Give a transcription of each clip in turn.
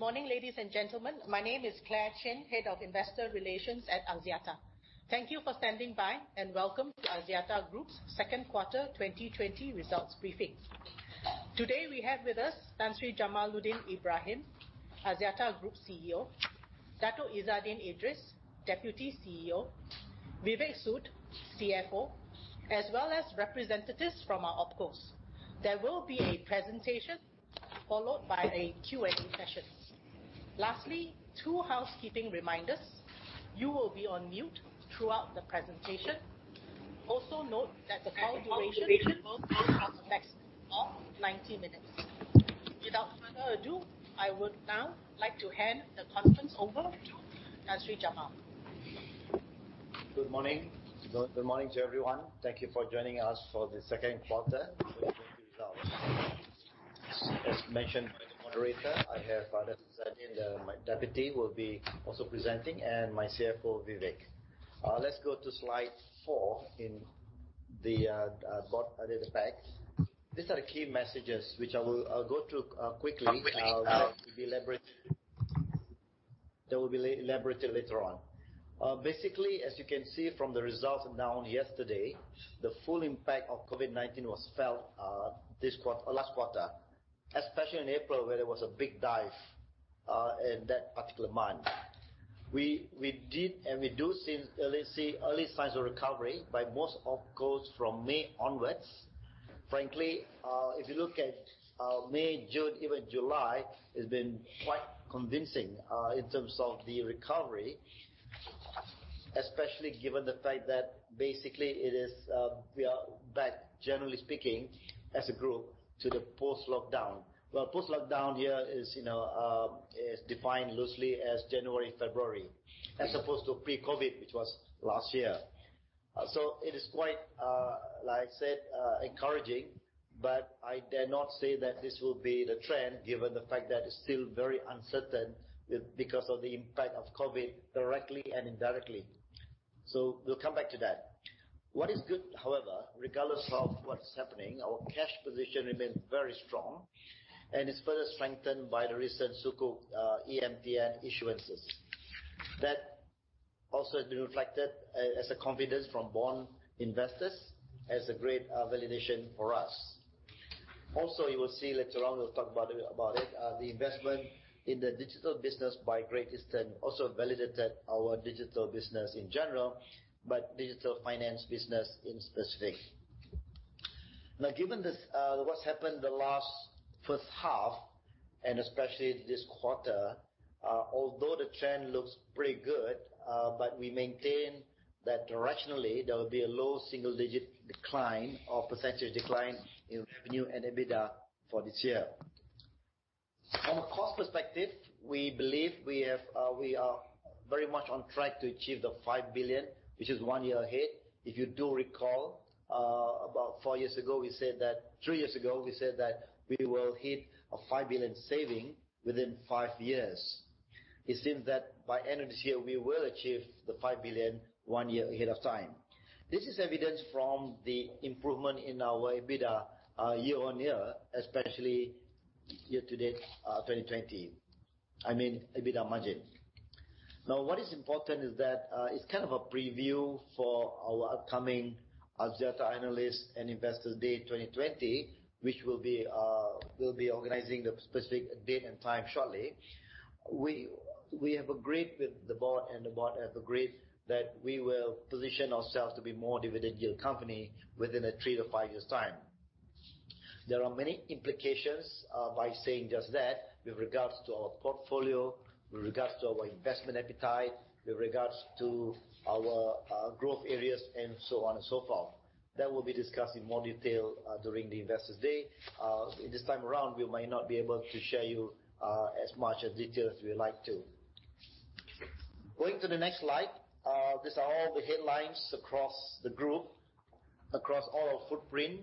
Good morning, ladies and gentlemen. My name is Clare Chin, head of investor relations at Axiata. Thank you for standing by, and welcome to Axiata Group's second quarter 2020 results briefing. Today we have with us Tan Sri Jamaludin Ibrahim, Axiata Group CEO, Dato' Izzaddin Idris, Deputy CEO, Vivek Sood, CFO, as well as representatives from our opcos. There will be a presentation followed by a Q&A session. Lastly, two housekeeping reminders. You will be on mute throughout the presentation. Also note that the call duration will go up to a max of 90 minutes. Without further ado, I would now like to hand the conference over to Tan Sri Jamal. Good morning. Good morning to everyone. Thank you for joining us for the second quarter 2020 results. As mentioned by the moderator, I have Dato' Izzaddin, my deputy, will be also presenting, and my CFO, Vivek. Let's go to slide four in the board added packs. These are the key messages which I will go through quickly. They will be elaborated later on. Basically, as you can see from the results announced yesterday, the full impact of COVID-19 was felt last quarter, especially in April, where there was a big dive in that particular month. We did and we do see early signs of recovery by most opcos from May onwards. Frankly, if you look at May, June, even July, it's been quite convincing in terms of the recovery, especially given the fact that basically it is we are back, generally speaking, as a group, to the post-lockdown. Well, post-lockdown here is defined loosely as January, February, as opposed to pre-COVID, which was last year. It is quite, like I said, encouraging, but I dare not say that this will be the trend, given the fact that it's still very uncertain because of the impact of COVID, directly and indirectly. We'll come back to that. What is good, however, regardless of what's happening, our cash position remains very strong and is further strengthened by the recent Sukuk EMTN issuances. That also has been reflected as a confidence from bond investors as a great validation for us. You will see later on, we'll talk about it, the investment in the digital business by Great Eastern also validated our digital business in general, but digital finance business in specific. Given what's happened the last first half, and especially this quarter, although the trend looks pretty good, but we maintain that directionally, there will be a low single-digit decline or percentage decline in revenue and EBITDA for this year. From a cost perspective, we believe we are very much on track to achieve the 5 billion, which is one year ahead. If you do recall, about three years ago, we said that we will hit a 5 billion saving within five years. It seems that by end of this year, we will achieve the 5 billion one year ahead of time. This is evidence from the improvement in our EBITDA year-on-year, especially year-to-date 2020. I mean, EBITDA margin. What is important is that it's kind of a preview for our upcoming Axiata Analyst & Investor Day 2020, which we'll be organizing the specific date and time shortly. We have agreed with the board, and the board has agreed that we will position ourselves to be more dividend yield company within a three to five years' time. There are many implications by saying just that with regards to our portfolio, with regards to our investment appetite, with regards to our growth areas, and so on and so forth. That will be discussed in more detail during the Investors Day. This time around, we might not be able to share you as much detail as we would like to. Going to the next slide. These are all the headlines across the group, across all our footprint.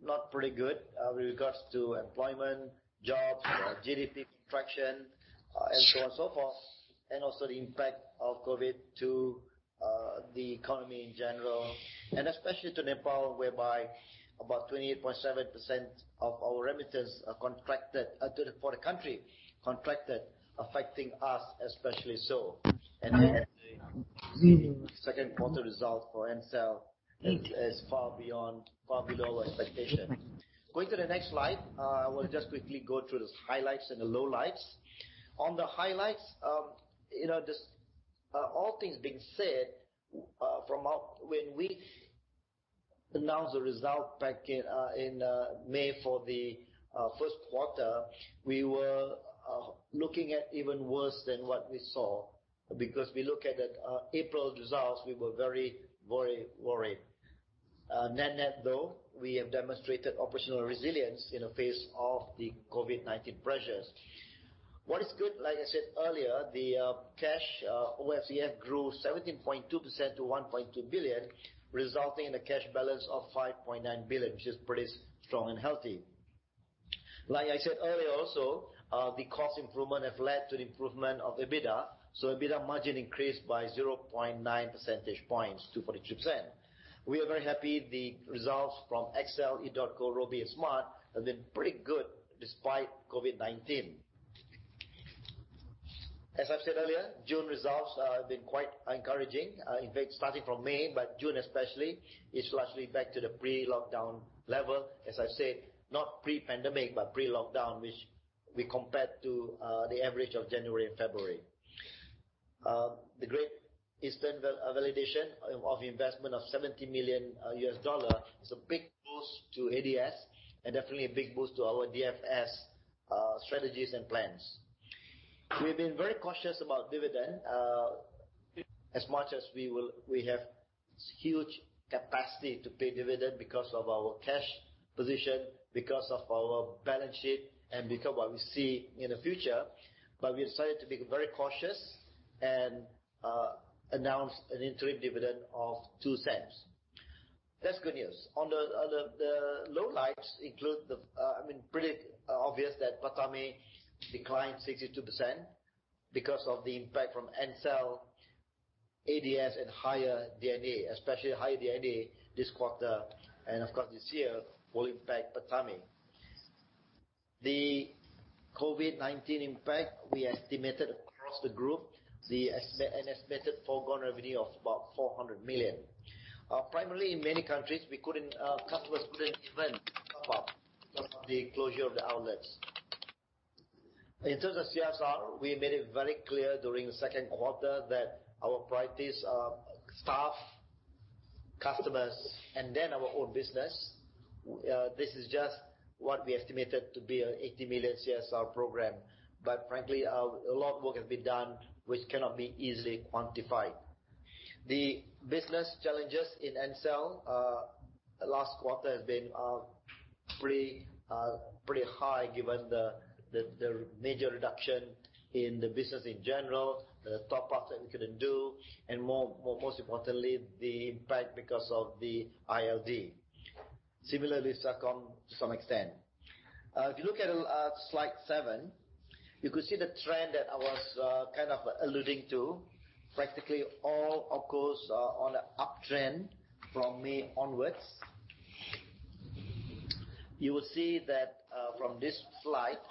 Not pretty good with regards to employment, jobs, GDP contraction, and so on and so forth, and also the impact of COVID to the economy in general, and especially to Nepal, whereby about 28.7% of our remittance for the country contracted, affecting us especially so. The second quarter result for Ncell is far below expectation. Going to the next slide. I want to just quickly go through the highlights and the lowlights. On the highlights, all things being said, from when we announced the result back in May for the first quarter, we were looking at even worse than what we saw, because we look at the April results, we were very worried. Net, though, we have demonstrated operational resilience in the face of the COVID-19 pressures. What is good, like I said earlier, the cash OCF grew 17.2% to 1.2 billion, resulting in a cash balance of 5.9 billion, which is pretty strong and healthy. Like I said earlier also, the cost improvement has led to the improvement of EBITDA. EBITDA margin increased by 0.9 percentage points to 43%. We are very happy the results from XL, edotco, Robi, and Smart have been pretty good despite COVID-19. As I've said earlier, June results have been quite encouraging. In fact, starting from May, but June especially, is largely back to the pre-lockdown level. As I said, not pre-pandemic, but pre-lockdown, which we compared to the average of January and February. The Great Eastern validation of investment of $70 million is a big boost to ADS and definitely a big boost to our DFS strategies and plans. We've been very cautious about dividend, as much as we have huge capacity to pay dividend because of our cash position, because of our balance sheet, and because what we see in the future. We decided to be very cautious and announce an interim dividend of 0.02. That's good news. On the lowlights include the I mean, pretty obvious that PATAMI declined 62% because of the impact from Ncell, ADS, and higher D&A, especially higher D&A this quarter, and of course this year will impact PATAMI. The COVID-19 impact, we estimated across the group, an estimated forgone revenue of about 400 million. Primarily in many countries, customers couldn't even top up because of the closure of the outlets. In terms of CSR, we made it very clear during the second quarter that our priorities are staff, customers, and then our own business. This is just what we estimated to be an 80 million CSR program. Frankly, a lot of work has been done, which cannot be easily quantified. The business challenges in Ncell, last quarter have been pretty high given the major reduction in the business in general, the top-up that we couldn't do, and most importantly, the impact because of the ILD. Similarly, Smart to some extent. If you look at slide seven, you could see the trend that I was alluding to. Practically all OpCos are on a uptrend from May onwards. You will see that from this slide,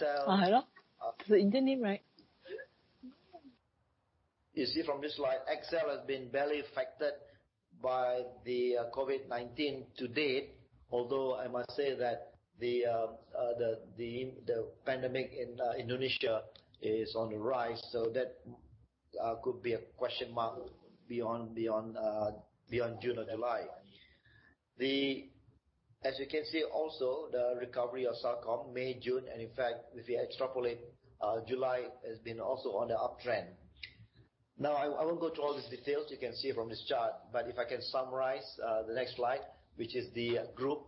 XL. You see from this slide, XL has been barely affected by the COVID-19 to date, although I must say that the pandemic in Indonesia is on the rise, so that could be a question mark beyond June or July. As you can see also, the recovery of Celcom, May, June, and in fact, if you extrapolate, July has been also on the uptrend. Now, I won't go to all these details you can see from this chart, but if I can summarize, the next slide, which is the group.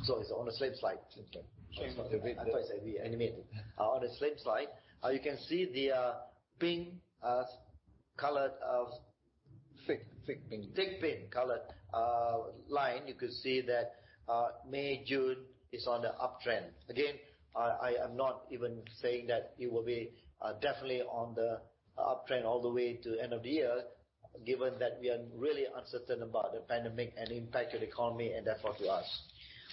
It's on the same slide. Same slide. I thought it's animated. On the same slide, you can see the pink colored-. Thick pink. Thick pink colored line, you could see that May, June is on the uptrend. Again, I am not even saying that it will be definitely on the uptrend all the way to end of the year, given that we are really uncertain about the pandemic and impact to the economy and therefore to us.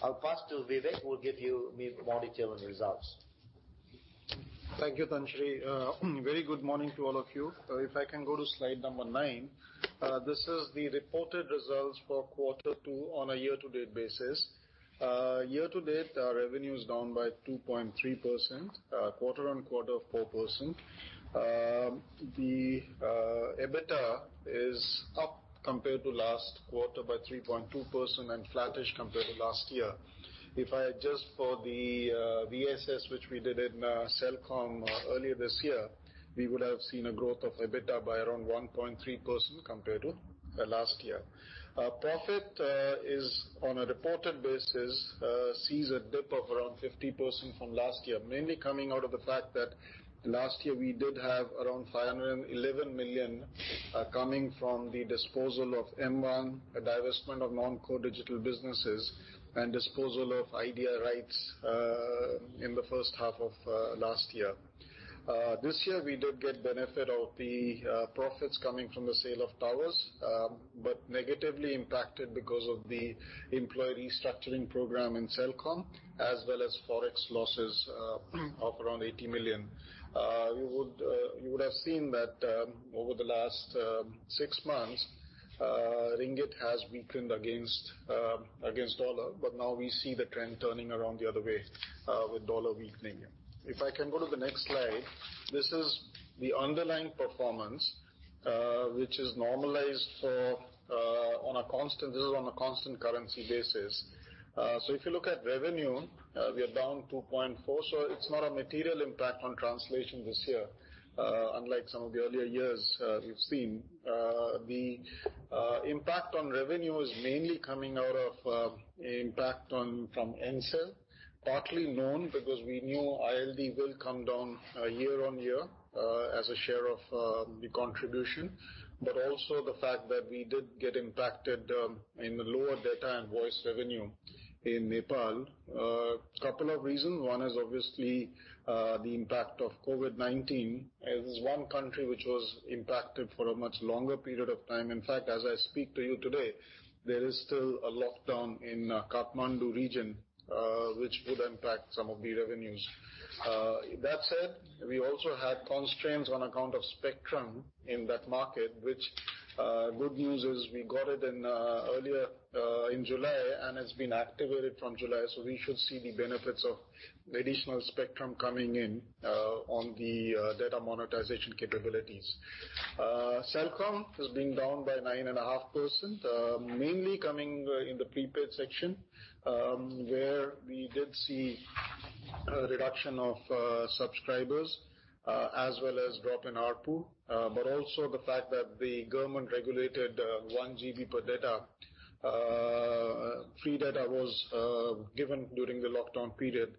I'll pass to Vivek, who will give you more detail on results. Thank you, Tan Sri. Very good morning to all of you. If I can go to slide number nine, this is the reported results for quarter two on a year-to-date basis. Year-to-date, our revenue is down by 2.3%, quarter-on-quarter of 4%. The EBITDA is up compared to last quarter by 3.2% and flattish compared to last year. If I adjust for the VSS which we did in Celcom earlier this year, we would have seen a growth of EBITDA by around 1.3% compared to last year. Profit is on a reported basis, sees a dip of around 50% from last year, mainly coming out of the fact that last year we did have around 511 million coming from the disposal of M1, a divestment of non-core digital businesses, and disposal of Idea rights in the first half of last year. This year, we did get benefit of the profits coming from the sale of towers, but negatively impacted because of the employee restructuring program in Celcom, as well as Forex losses of around 80 million. You would have seen that over the last six months, Ringgit has weakened against U.S. dollar, but now we see the trend turning around the other way with U.S. dollar weakening. If I can go to the next slide. This is the underlying performance, which is normalized on a constant currency basis. If you look at revenue, we are down 2.4%, so it's not a material impact on translation this year, unlike some of the earlier years we've seen. The impact on revenue is mainly coming out of impact from Ncell, partly known because we knew ILD will come down year-on-year as a share of the contribution, but also the fact that we did get impacted in the lower data and voice revenue in Nepal. A couple of reasons. One is obviously, the impact of COVID-19. It is one country which was impacted for a much longer period of time. In fact, as I speak to you today, there is still a lockdown in Kathmandu region, whichGood news is we got it earlier in July, and it's been activated from July, so we should see the benefits of the additional spectrum coming in on the data monetization capabilities. Celcom has been down by 9.5%, mainly coming in the prepaid section, where we did see a reduction of subscribers as well as drop in ARPU, but also the fact that the government regulated 1 GB per data. Free data was given during the lockdown period.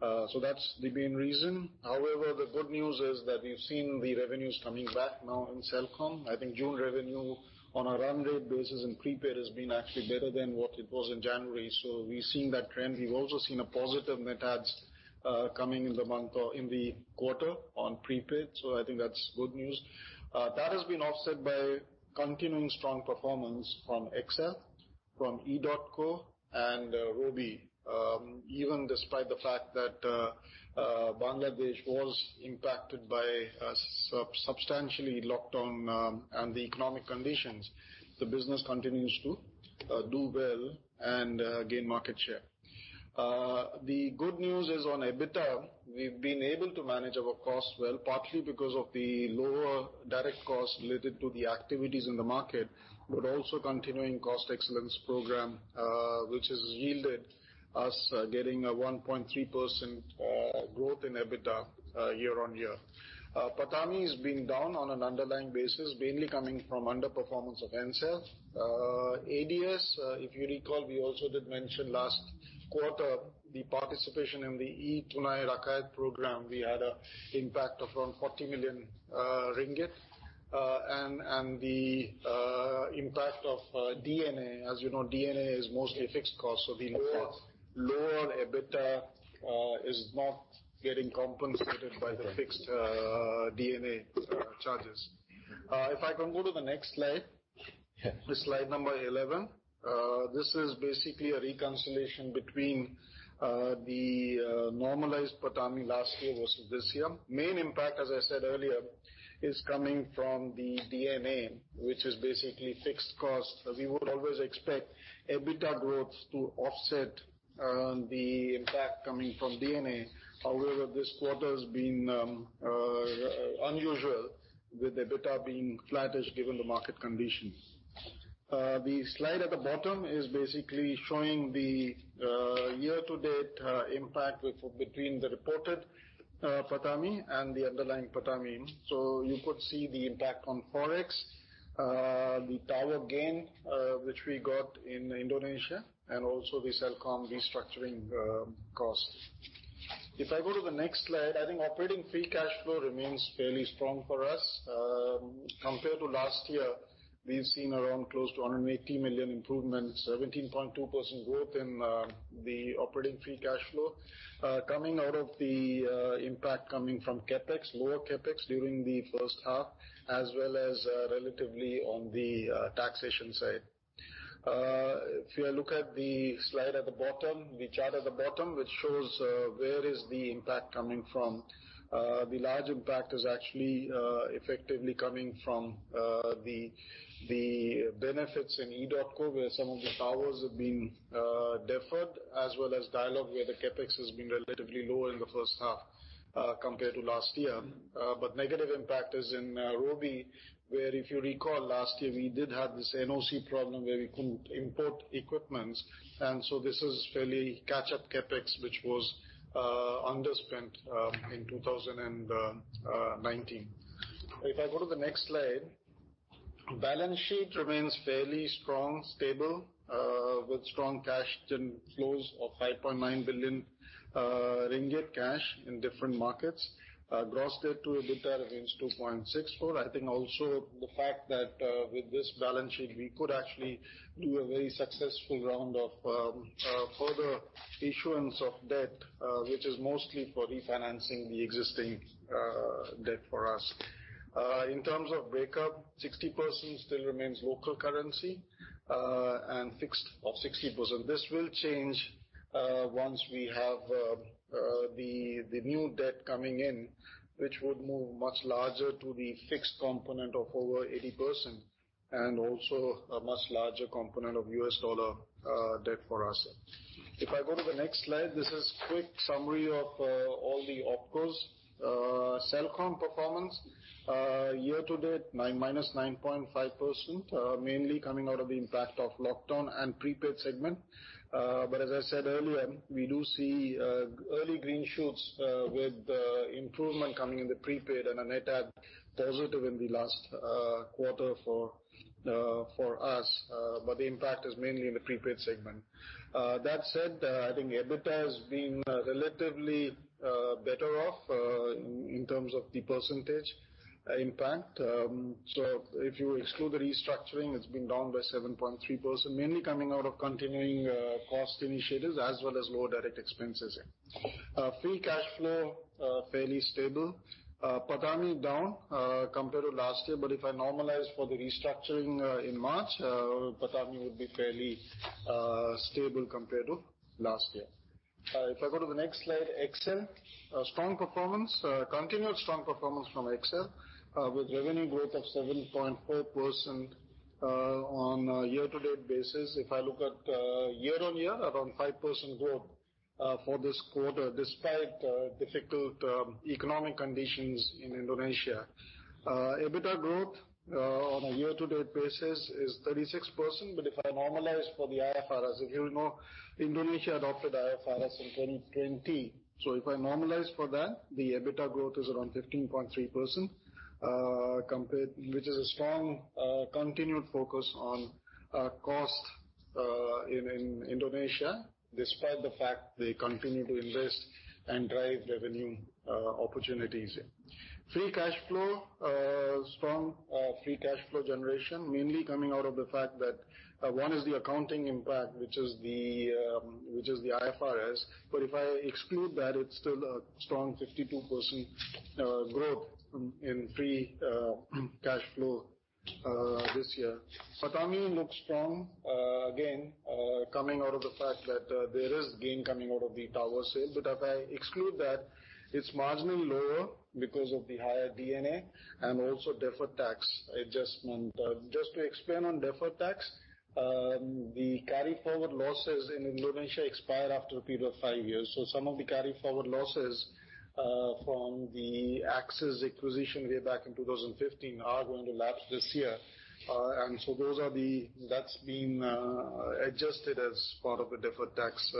That's the main reason. The good news is that we've seen the revenues coming back now in Celcom. I think June revenue on a run-rate basis in prepaid has been actually better than what it was in January. We've seen that trend. We've also seen a positive net adds coming in the quarter on prepaid. I think that's good news. That has been offset by continuing strong performance from Axiata, from edotco and Robi. Even despite the fact that Bangladesh was impacted by a substantial lockdown and the economic conditions, the business continues to do well and gain market share. The good news is on EBITDA, we've been able to manage our costs well, partly because of the lower direct cost related to the activities in the market, but also continuing cost excellence program, which has yielded us getting a 1.3% growth in EBITDA year-on-year. PATAMI is being down on an underlying basis, mainly coming from underperformance of Ncell. ADS, if you recall, we also did mention last quarter the participation in the e-Tunai Rakyat program. We had an impact of around 40 million ringgit. The impact of D&A. As you know, D&A is mostly fixed cost, the lower EBITDA is not getting compensated by the fixed D&A charges. If I can go to the next slide. The slide number 11. This is basically a reconciliation between the normalized PATAMI last year versus this year. Main impact, as I said earlier, is coming from the D&A, which is basically fixed cost. We would always expect EBITDA growth to offset the impact coming from D&A. However, this quarter's been unusual with EBITDA being flattish given the market conditions. The slide at the bottom is basically showing the year-to-date impact between the reported PATAMI and the underlying PATAMI. You could see the impact on Forex, the tower gains, which we got in Indonesia, and also the Celcom restructuring cost. If I go to the next slide. I think operating free cash flow remains fairly strong for us. Compared to last year, we've seen around close to 180 million improvement, 17.2% growth in the operating free cash flow, coming out of the impact coming from CapEx, lower CapEx during the first half, as well as relatively on the taxation side. If you look at the slide at the bottom, the chart at the bottom, which shows where is the impact coming from. The large impact is actually effectively coming from the benefits in edotco, where some of the towers have been deferred, as well as Dialog, where the CapEx has been relatively lower in the first half compared to last year. Negative impact is in Robi, where if you recall, last year, we did have this NOC problem where we couldn't import equipment. This is fairly catch-up CapEx, which was underspent in 2019. If I go to the next slide. Balance sheet remains fairly strong, stable, with strong cash flows of 5.9 billion ringgit cash in different markets. Gross debt to EBITDA remains 2.64. Also the fact that with this balance sheet, we could actually do a very successful round of further issuance of debt, which is mostly for refinancing the existing debt for us. In terms of breakup, 60% still remains local currency, and fixed of 60%. This will change once we have the new debt coming in, which would move much larger to the fixed component of over 80% and also a much larger component of U.S. dollar debt for us. If I go to the next slide, this is a quick summary of all the OpCos. Celcom performance year-to-date, -9.5%, mainly coming out of the impact of lockdown and prepaid segment. As I said earlier, we do see early green shoots with improvement coming in the prepaid and a net add positive in the last quarter for us. The impact is mainly in the prepaid segment. That said, I think EBITDA has been relatively better off in terms of the percentage impact. If you exclude the restructuring, it's been down by 7.3%, mainly coming out of continuing cost initiatives as well as lower direct expenses. Free cash flow, fairly stable. PATAMI down compared to last year, but if I normalize for the restructuring in March, PATAMI would be fairly stable compared to last year. If I go to the next slide, XL. Continued strong performance from XL, with revenue growth of 7.4% on a year-to-date basis. If I look at year-on-year, around 5% growth for this quarter, despite difficult economic conditions in Indonesia. EBITDA growth on a year-to-date basis is 36%, but if I normalize for the IFRS, if you know, Indonesia adopted IFRS in 2020. If I normalize for that, the EBITDA growth is around 15.3%, which is a strong continued focus on cost in Indonesia, despite the fact they continue to invest and drive revenue opportunities. Free cash flow. Strong free cash flow generation, mainly coming out of the fact that one is the accounting impact, which is the IFRS. If I exclude that, it's still a strong 52% growth in free cash flow this year. PATAMI looks strong, again, coming out of the fact that there is gain coming out of the tower sale. If I exclude that, it's marginally lower because of the higher D&A and also deferred tax adjustment. Just to explain on deferred tax, the carry forward losses in Indonesia expire after a period of five years. Some of the carry forward losses from the Axis acquisition way back in 2015 are going to lapse this year. That's been adjusted as part of a deferred tax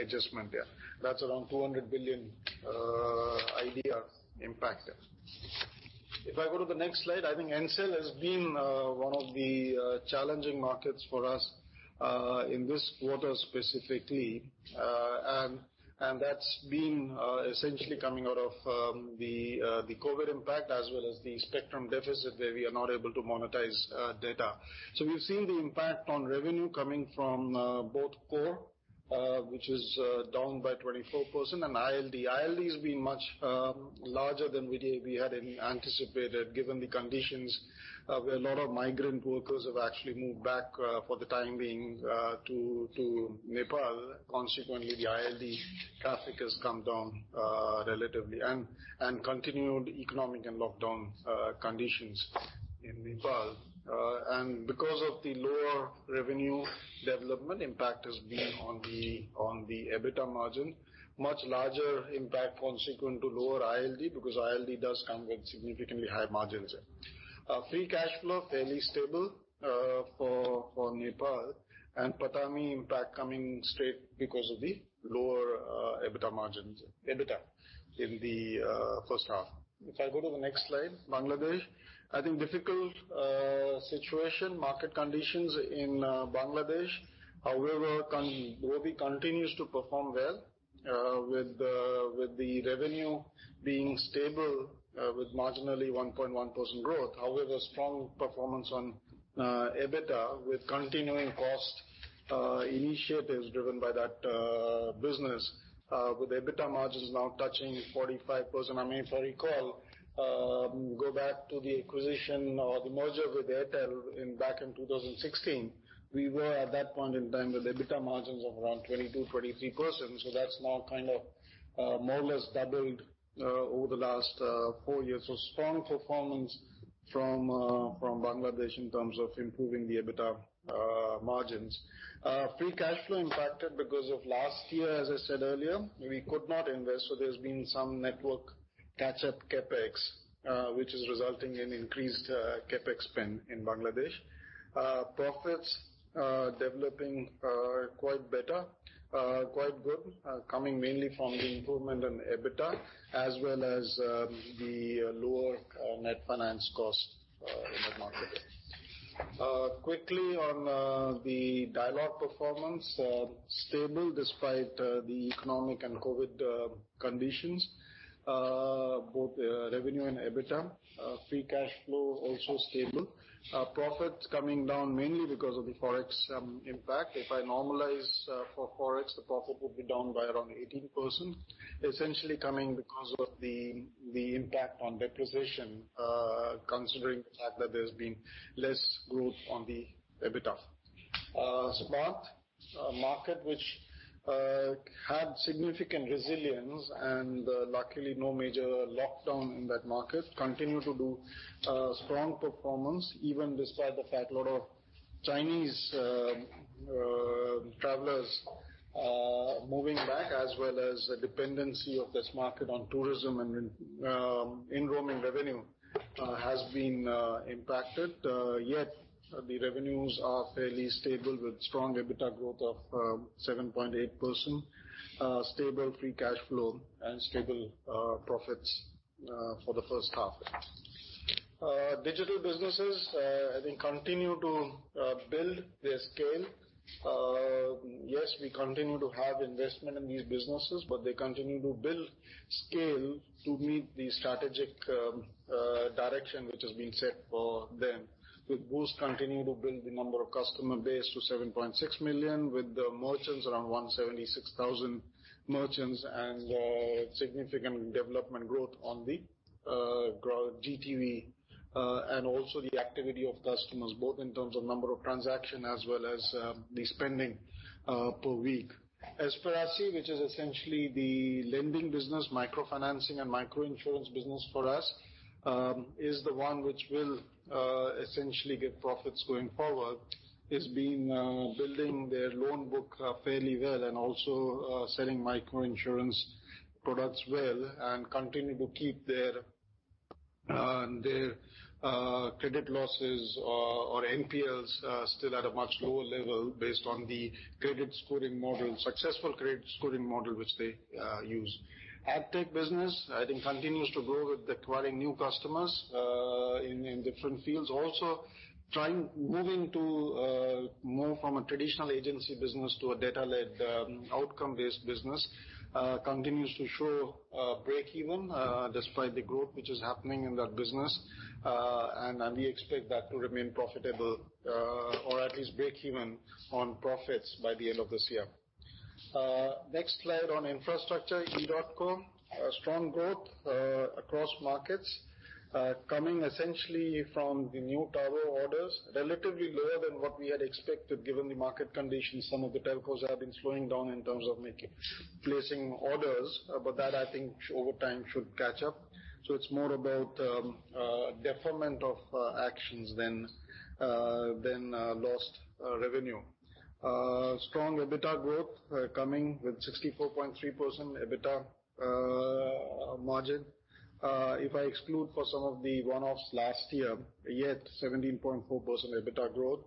adjustment there. That's around 200 billion impact. I go to the next slide. I think Ncell has been one of the challenging markets for us in this quarter specifically, and that's been essentially coming out of the COVID impact as well as the spectrum deficit where we are not able to monetize data. We've seen the impact on revenue coming from both core, which is down by 24%, and ILD. ILD has been much larger than we had anticipated, given the conditions where a lot of migrant workers have actually moved back for the time being to Nepal. Consequently, the ILD traffic has come down relatively and continued economic and lockdown conditions in Nepal. Because of the lower revenue development impact has been on the EBITDA margin, much larger impact consequent to lower ILD because ILD does come with significantly higher margins. Free cash flow, fairly stable for Nepal and PATAMI impact coming straight because of the lower EBITDA in the first half. If I go to the next slide, Bangladesh. I think difficult situation, market conditions in Bangladesh. However, Robi continues to perform well with the revenue being stable with marginally 1.1% growth. However, strong performance on EBITDA with continuing cost initiatives driven by that business with EBITDA margins now touching 45%. I recall, go back to the acquisition or the merger with Airtel back in 2016, we were at that point in time with EBITDA margins of around 22%, 23%. That's now more or less doubled over the last four years. Strong performance from Bangladesh in terms of improving the EBITDA margins. Free cash flow impacted because of last year, as I said earlier, we could not invest, there's been some network catch-up CapEx, which is resulting in increased CapEx spend in Bangladesh. Profits developing quite good, coming mainly from the improvement in EBITDA as well as the lower net finance cost in that market. Quickly on the Dialog performance. Stable despite the economic and COVID conditions, both revenue and EBITDA. Free cash flow, also stable. Profits coming down mainly because of the Forex impact. If I normalize for Forex, the profit would be down by around 18%, essentially coming because of the impact on depreciation, considering the fact that there's been less growth on the EBITDA. Smart. A market which had significant resilience and luckily no major lockdown in that market, continue to do strong performance even despite the fact lot of Chinese travelers moving back as well as a dependency of this market on tourism and roaming revenue has been impacted. The revenues are fairly stable with strong EBITDA growth of 7.8%, stable free cash flow, and stable profits for the first half. Digital businesses, I think, continue to build their scale. Yes, we continue to have investment in these businesses, but they continue to build scale to meet the strategic direction which has been set for them. With Boost continuing to build the number of customer base to 7.6 million with the merchants around 176,000 merchants and significant development growth on the GTV, and also the activity of customers, both in terms of number of transactions as well as the spending per week. Aspirasi, which is essentially the lending business, micro-financing and micro-insurance business for us, is the one which will essentially get profits going forward. It's been building their loan book fairly well and also selling micro-insurance products well, and continue to keep their credit losses or NPLs still at a much lower level based on the successful credit scoring model which they use. Adtech business, I think, continues to grow with acquiring new customers in different fields. Moving to more from a traditional agency business to a data-led, outcome-based business continues to show breakeven, despite the growth which is happening in that business. We expect that to remain profitable or at least breakeven on profits by the end of this year. Next slide on infrastructure, edotco. Strong growth across markets, coming essentially from the new tower orders. Relatively lower than what we had expected given the market conditions. Some of the telcos have been slowing down in terms of placing orders. That, I think over time should catch up. It's more about deferment of actions than lost revenue. Strong EBITDA growth coming with 64.3% EBITDA margin. If I exclude for some of the one-offs last year, yet 17.4% EBITDA growth.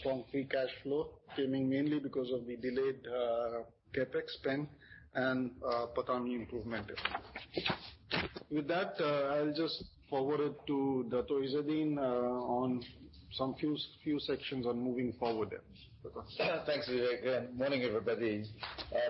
Strong free cash flow coming mainly because of the delayed CapEx spend and PATAMI improvement. With that, I'll just forward it to Dato' Izzaddin on some few sections on moving forward there. Dato'. Thanks, Vivek. Morning, everybody.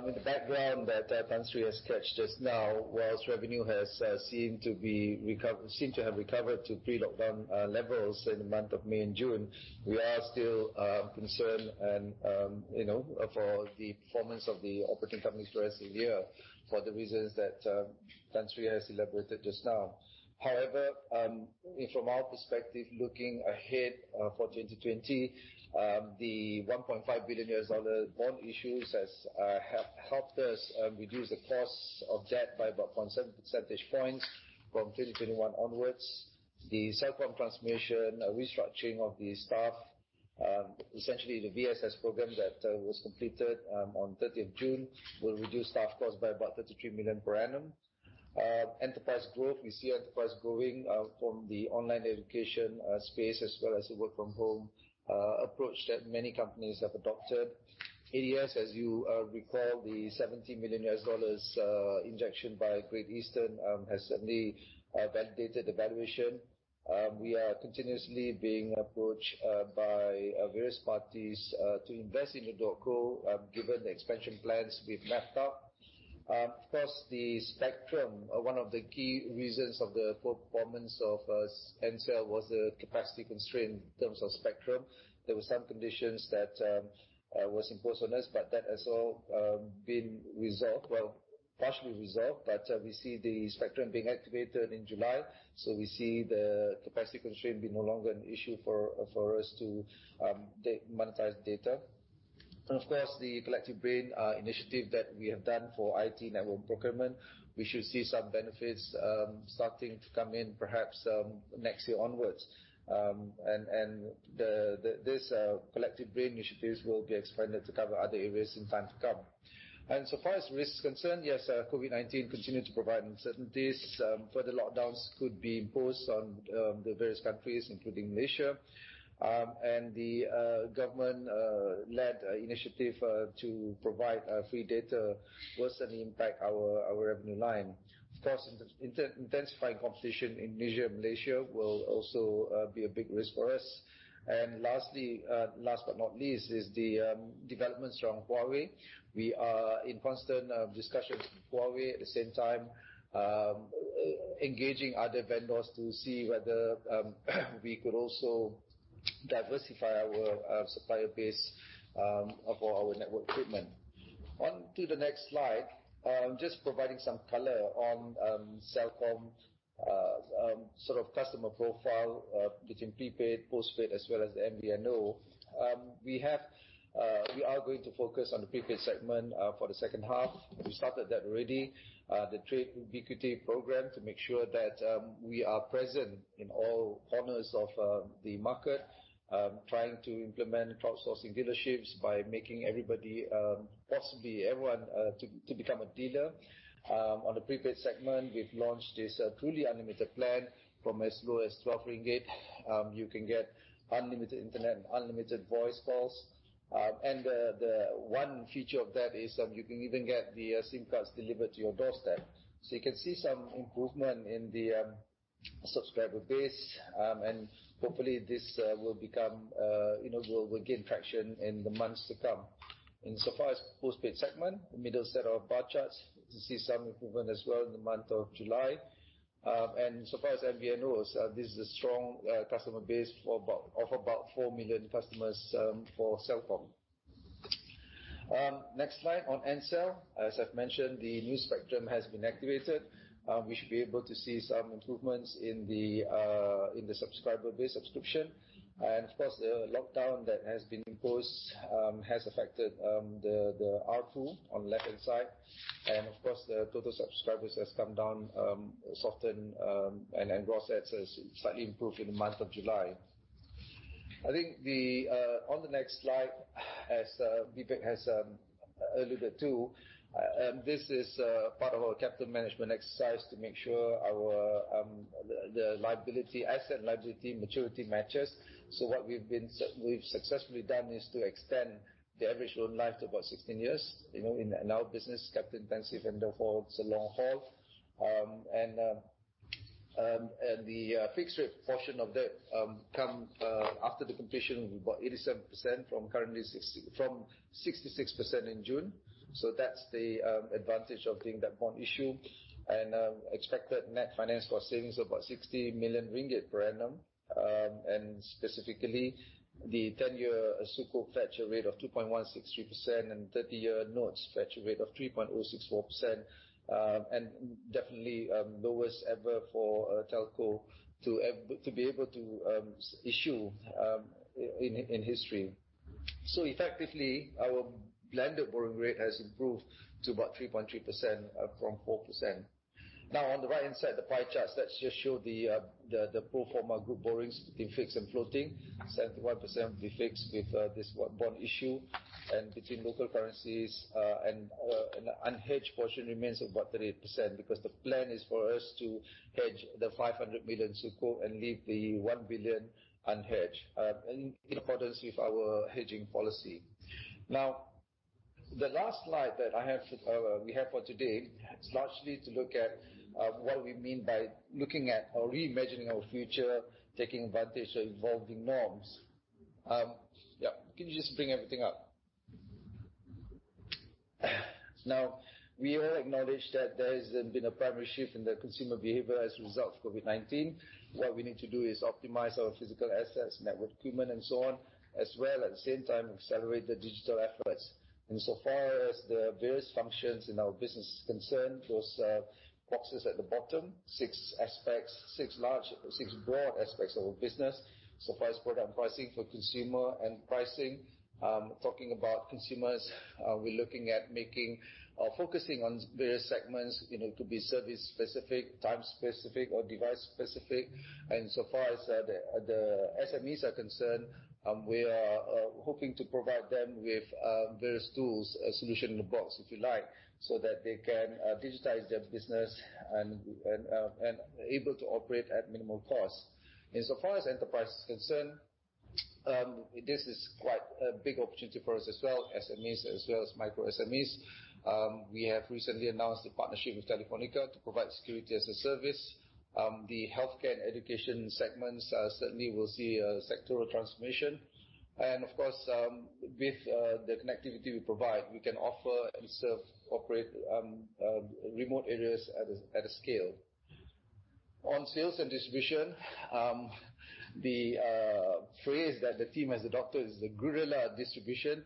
With the background that Tan Sri has sketched just now, whilst revenue has seemed to have recovered to pre-COVID levels in the month of May and June, we are still concerned for the performance of the operating companies for the rest of the year for the reasons that Tan Sri has elaborated just now. From our perspective, looking ahead for 2020, the MYR 1.5 billion bond issues has helped us reduce the cost of debt by about one percentage points from 2021 onwards. The Celcom transmission restructuring of the staff, essentially the VSS program that was completed on 30th June, will reduce staff costs by about 33 million per annum. Enterprise growth, we see enterprise growing from the online education space as well as the work-from-home approach that many companies have adopted. ADS, as you recall, the $70 million injection by Great Eastern has certainly validated the valuation. We are continuously being approached by various parties to invest in edotco, given the expansion plans we've mapped out. The spectrum, one of the key reasons of the poor performance of Celcom was the capacity constraint in terms of spectrum. There were some conditions that was imposed on us, that has all been resolved. Partially resolved, we see the spectrum being activated in July, we see the capacity constraint be no longer an issue for us to monetize data. The Collective Brain initiative that we have done for IT network procurement. We should see some benefits starting to come in perhaps next year onwards. This Collective Brain initiatives will be expanded to cover other areas in time to come. So far as risk is concerned, yes, COVID-19 continue to provide uncertainties. Further lockdowns could be imposed on the various countries, including Malaysia. The government-led initiative to provide free data will certainly impact our revenue line. Of course, intensifying competition in Malaysia will also be a big risk for us. Last but not least, is the developments around Huawei. We are in constant discussions with Huawei. At the same time, engaging other vendors to see whether we could also diversify our supplier base for our network equipment. On to the next slide. Just providing some color on Celcom customer profile between prepaid, postpaid, as well as the MVNO. We are going to focus on the prepaid segment for the second half. We started that already, the Trade Ubiquity program, to make sure that we are present in all corners of the market. Trying to implement crowdsourcing dealerships by making possibly everyone to become a dealer. On the prepaid segment, we've launched the Truly Unlimited plan. From as low as 12 ringgit, you can get unlimited internet and unlimited voice calls. The one feature of that is you can even get the SIM cards delivered to your doorstep. You can see some improvement in the subscriber base, and hopefully this will gain traction in the months to come. So far as postpaid segment, the middle set of bar charts, you see some improvement as well in the month of July. So far as MVNOs, this is a strong customer base of about 4 million customers for Celcom. Next slide on Ncell. As I've mentioned, the new spectrum has been activated. We should be able to see some improvements in the subscriber base subscription. Of course, the lockdown that has been imposed has affected the ARPU on the left-hand side. Of course, the total subscribers has come down, softened, and gross adds has slightly improved in the month of July. I think on the next slide, as Vivek has alluded to, this is part of our capital management exercise to make sure the asset liability maturity matches. What we've successfully done is to extend the average loan life to about 16 years. In our business, capital-intensive and therefore it's a long haul. The fixed rate portion of debt come after the completion of about 87% from 66% in June. That's the advantage of doing that bond issue, and expected net finance cost savings of about 60 million ringgit per annum. Specifically, the 10-year Sukuk fetch a rate of 2.163% and 30-year notes fetch a rate of 3.064%, and definitely lowest ever for edotco to be able to issue in history. Effectively, our blended borrowing rate has improved to about 3.3% from 4%. On the right-hand side, the pie charts that just show the pro forma group borrowings between fixed and floating, 71% will be fixed with this bond issue. Between local currencies, and unhedged portion remains about 38%, because the plan is for us to hedge the 500 million Sukuk and leave the 1 billion unhedged, in accordance with our hedging policy. The last slide that we have for today is largely to look at what we mean by looking at or reimagining our future, taking advantage of evolving norms. Can you just bring everything up? We all acknowledge that there's been a primary shift in the consumer behavior as a result of COVID-19. What we need to do is optimize our physical assets, network equipment, and so on, as well, at the same time, accelerate the digital efforts. So far as the various functions in our business is concerned, those boxes at the bottom, six broad aspects of our business. So far as product pricing for consumer and pricing, talking about consumers, we're looking at focusing on various segments to be service-specific, time-specific, or device-specific. So far as the SMEs are concerned, we are hoping to provide them with various tools, a solution in a box, if you like, so that they can digitize their business and able to operate at minimal cost. So far as enterprise is concerned, this is quite a big opportunity for us as well, SMEs as well as micro SMEs. We have recently announced a partnership with Telefónica to provide security as a service. The healthcare and education segments certainly will see a sectoral transformation. Of course, with the connectivity we provide, we can offer and serve remote areas at a scale. On sales and distribution, the phrase that the team has adopted is the guerrilla distribution,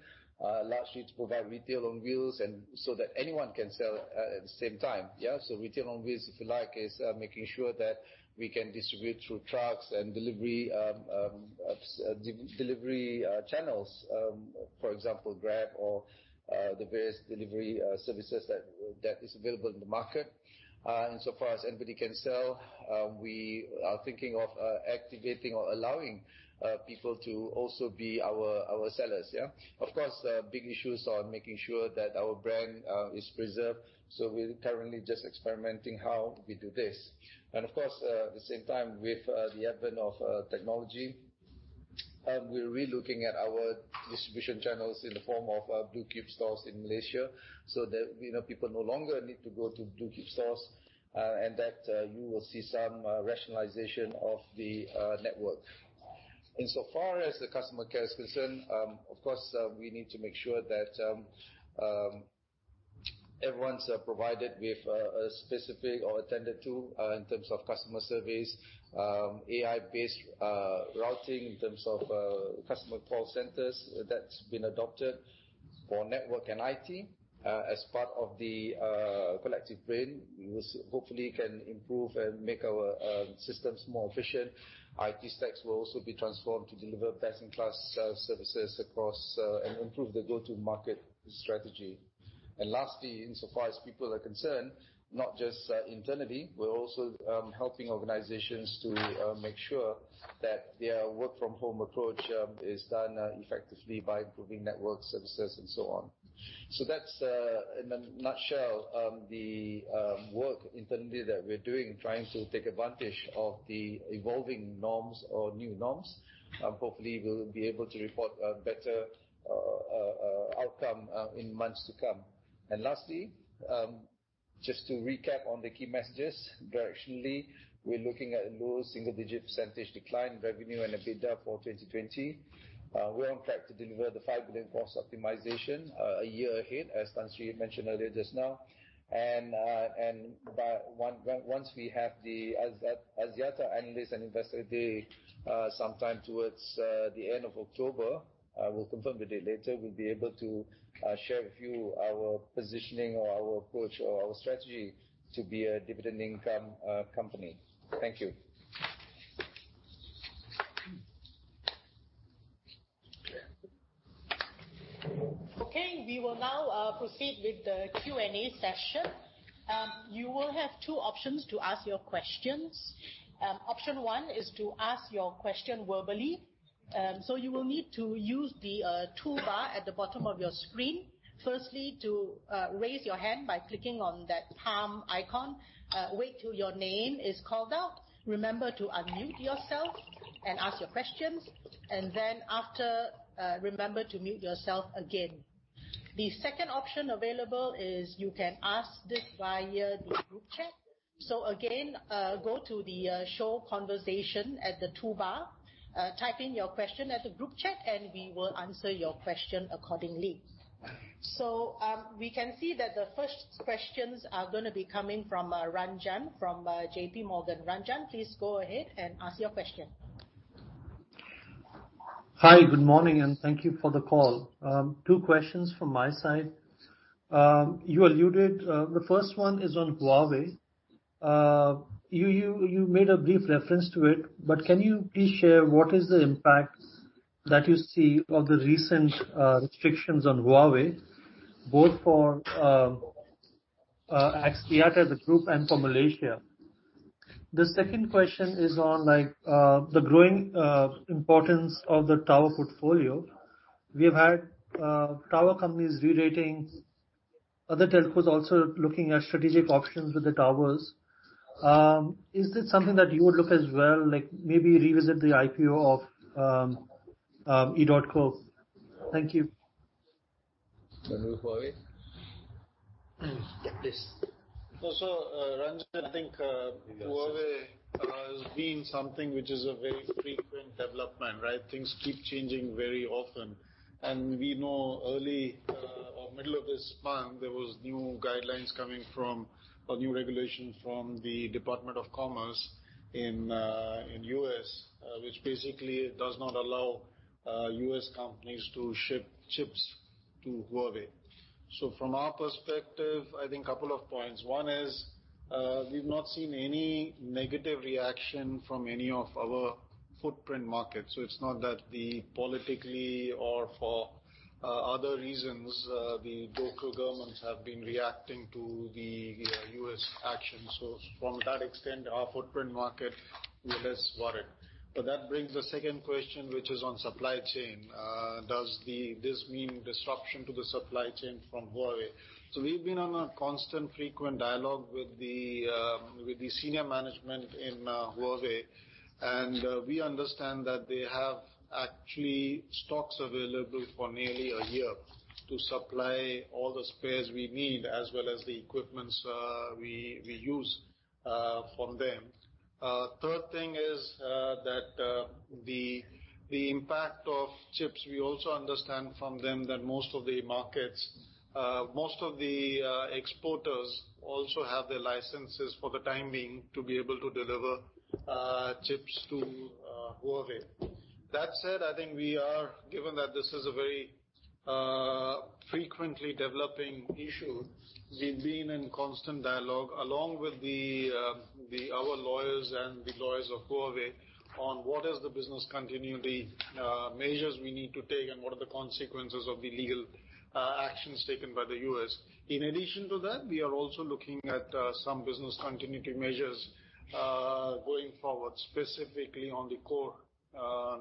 largely to provide retail on wheels so that anyone can sell at the same time. Retail on wheels, if you like, is making sure that we can distribute through trucks and delivery channels. For example, Grab or the various delivery services that is available in the market. So far as anybody can sell, we are thinking of activating or allowing people to also be our sellers. Of course, big issues on making sure that our brand is preserved. We're currently just experimenting how we do this. Of course, at the same time, with the advent of technology, we're re-looking at our distribution channels in the form of digital kiosk stores in Malaysia, so that people no longer need to go to digital kiosk stores, that you will see some rationalization of the network. Insofar as the customer care is concerned, of course, we need to make sure that everyone's provided with a specific or attended to in terms of customer service, AI-based routing in terms of customer call centers, that's been adopted. For network and IT, as part of the Collective Brain, we hopefully can improve and make our systems more efficient. IT stacks will also be transformed to deliver best-in-class services across and improve the go-to market strategy. Lastly, insofar as people are concerned, not just internally, we're also helping organizations to make sure that their work-from-home approach is done effectively by improving network services and so on. That's in a nutshell, the work internally that we're doing, trying to take advantage of the evolving norms or new norms. Hopefully, we'll be able to report a better outcome in months to come. Lastly, just to recap on the key messages. Directionally, we're looking at a low single-digit percentage decline in revenue and EBITDA for 2020. We're on track to deliver the 5 billion cost optimization a year ahead, as Tan Sri mentioned earlier just now. Once we have the Axiata Analyst & Investor Day, sometime towards the end of October, we'll confirm the date later. We'll be able to share with you our positioning or our approach or our strategy to be a dividend income company. Thank you. Okay, we will now proceed with the Q&A session. We can see that the first questions are going to be coming from Ranjan from JPMorgan. Ranjan, please go ahead and ask your question. Hi. Good morning, and thank you for the call. Two questions from my side. The first one is on Huawei. You made a brief reference to it. Can you please share what is the impact that you see of the recent restrictions on Huawei, both for Axiata, the group, and for Malaysia? The second question is on the growing importance of the tower portfolio. We've had tower companies rerating, other telcos also looking at strategic options with the towers. Is this something that you would look as well, like maybe revisit the IPO of edotco? Thank you. You want to go Huawei? Yes, please. Ranjan, I think Huawei has been something which is a very frequent development, right? Things keep changing very often. We know early or middle of this month, there was new guidelines coming from, or new regulation from the Department of Commerce in U.S., which basically does not allow U.S. companies to ship chips to Huawei. From our perspective, I think couple of points. One is, we've not seen any negative reaction from any of our footprint markets. It's not that politically or for other reasons, the local governments have been reacting to the U.S. action. From that extent, our footprint market, we're less worried. That brings the second question, which is on supply chain. Does this mean disruption to the supply chain from Huawei? We've been on a constant frequent dialogue with the senior management in Huawei. We understand that they have actually stocks available for nearly a year to supply all the spares we need as well as the equipments we use from them. Third thing is that the impact of chips, we also understand from them that most of the exporters also have their licenses for the time being to be able to deliver chips to Huawei. That said, I think given that this is a very frequently developing issue, we've been in constant dialogue along with our lawyers and the lawyers of Huawei on what is the business continuity measures we need to take and what are the consequences of the legal actions taken by the U.S. In addition to that, we are also looking at some business continuity measures, going forward, specifically on the core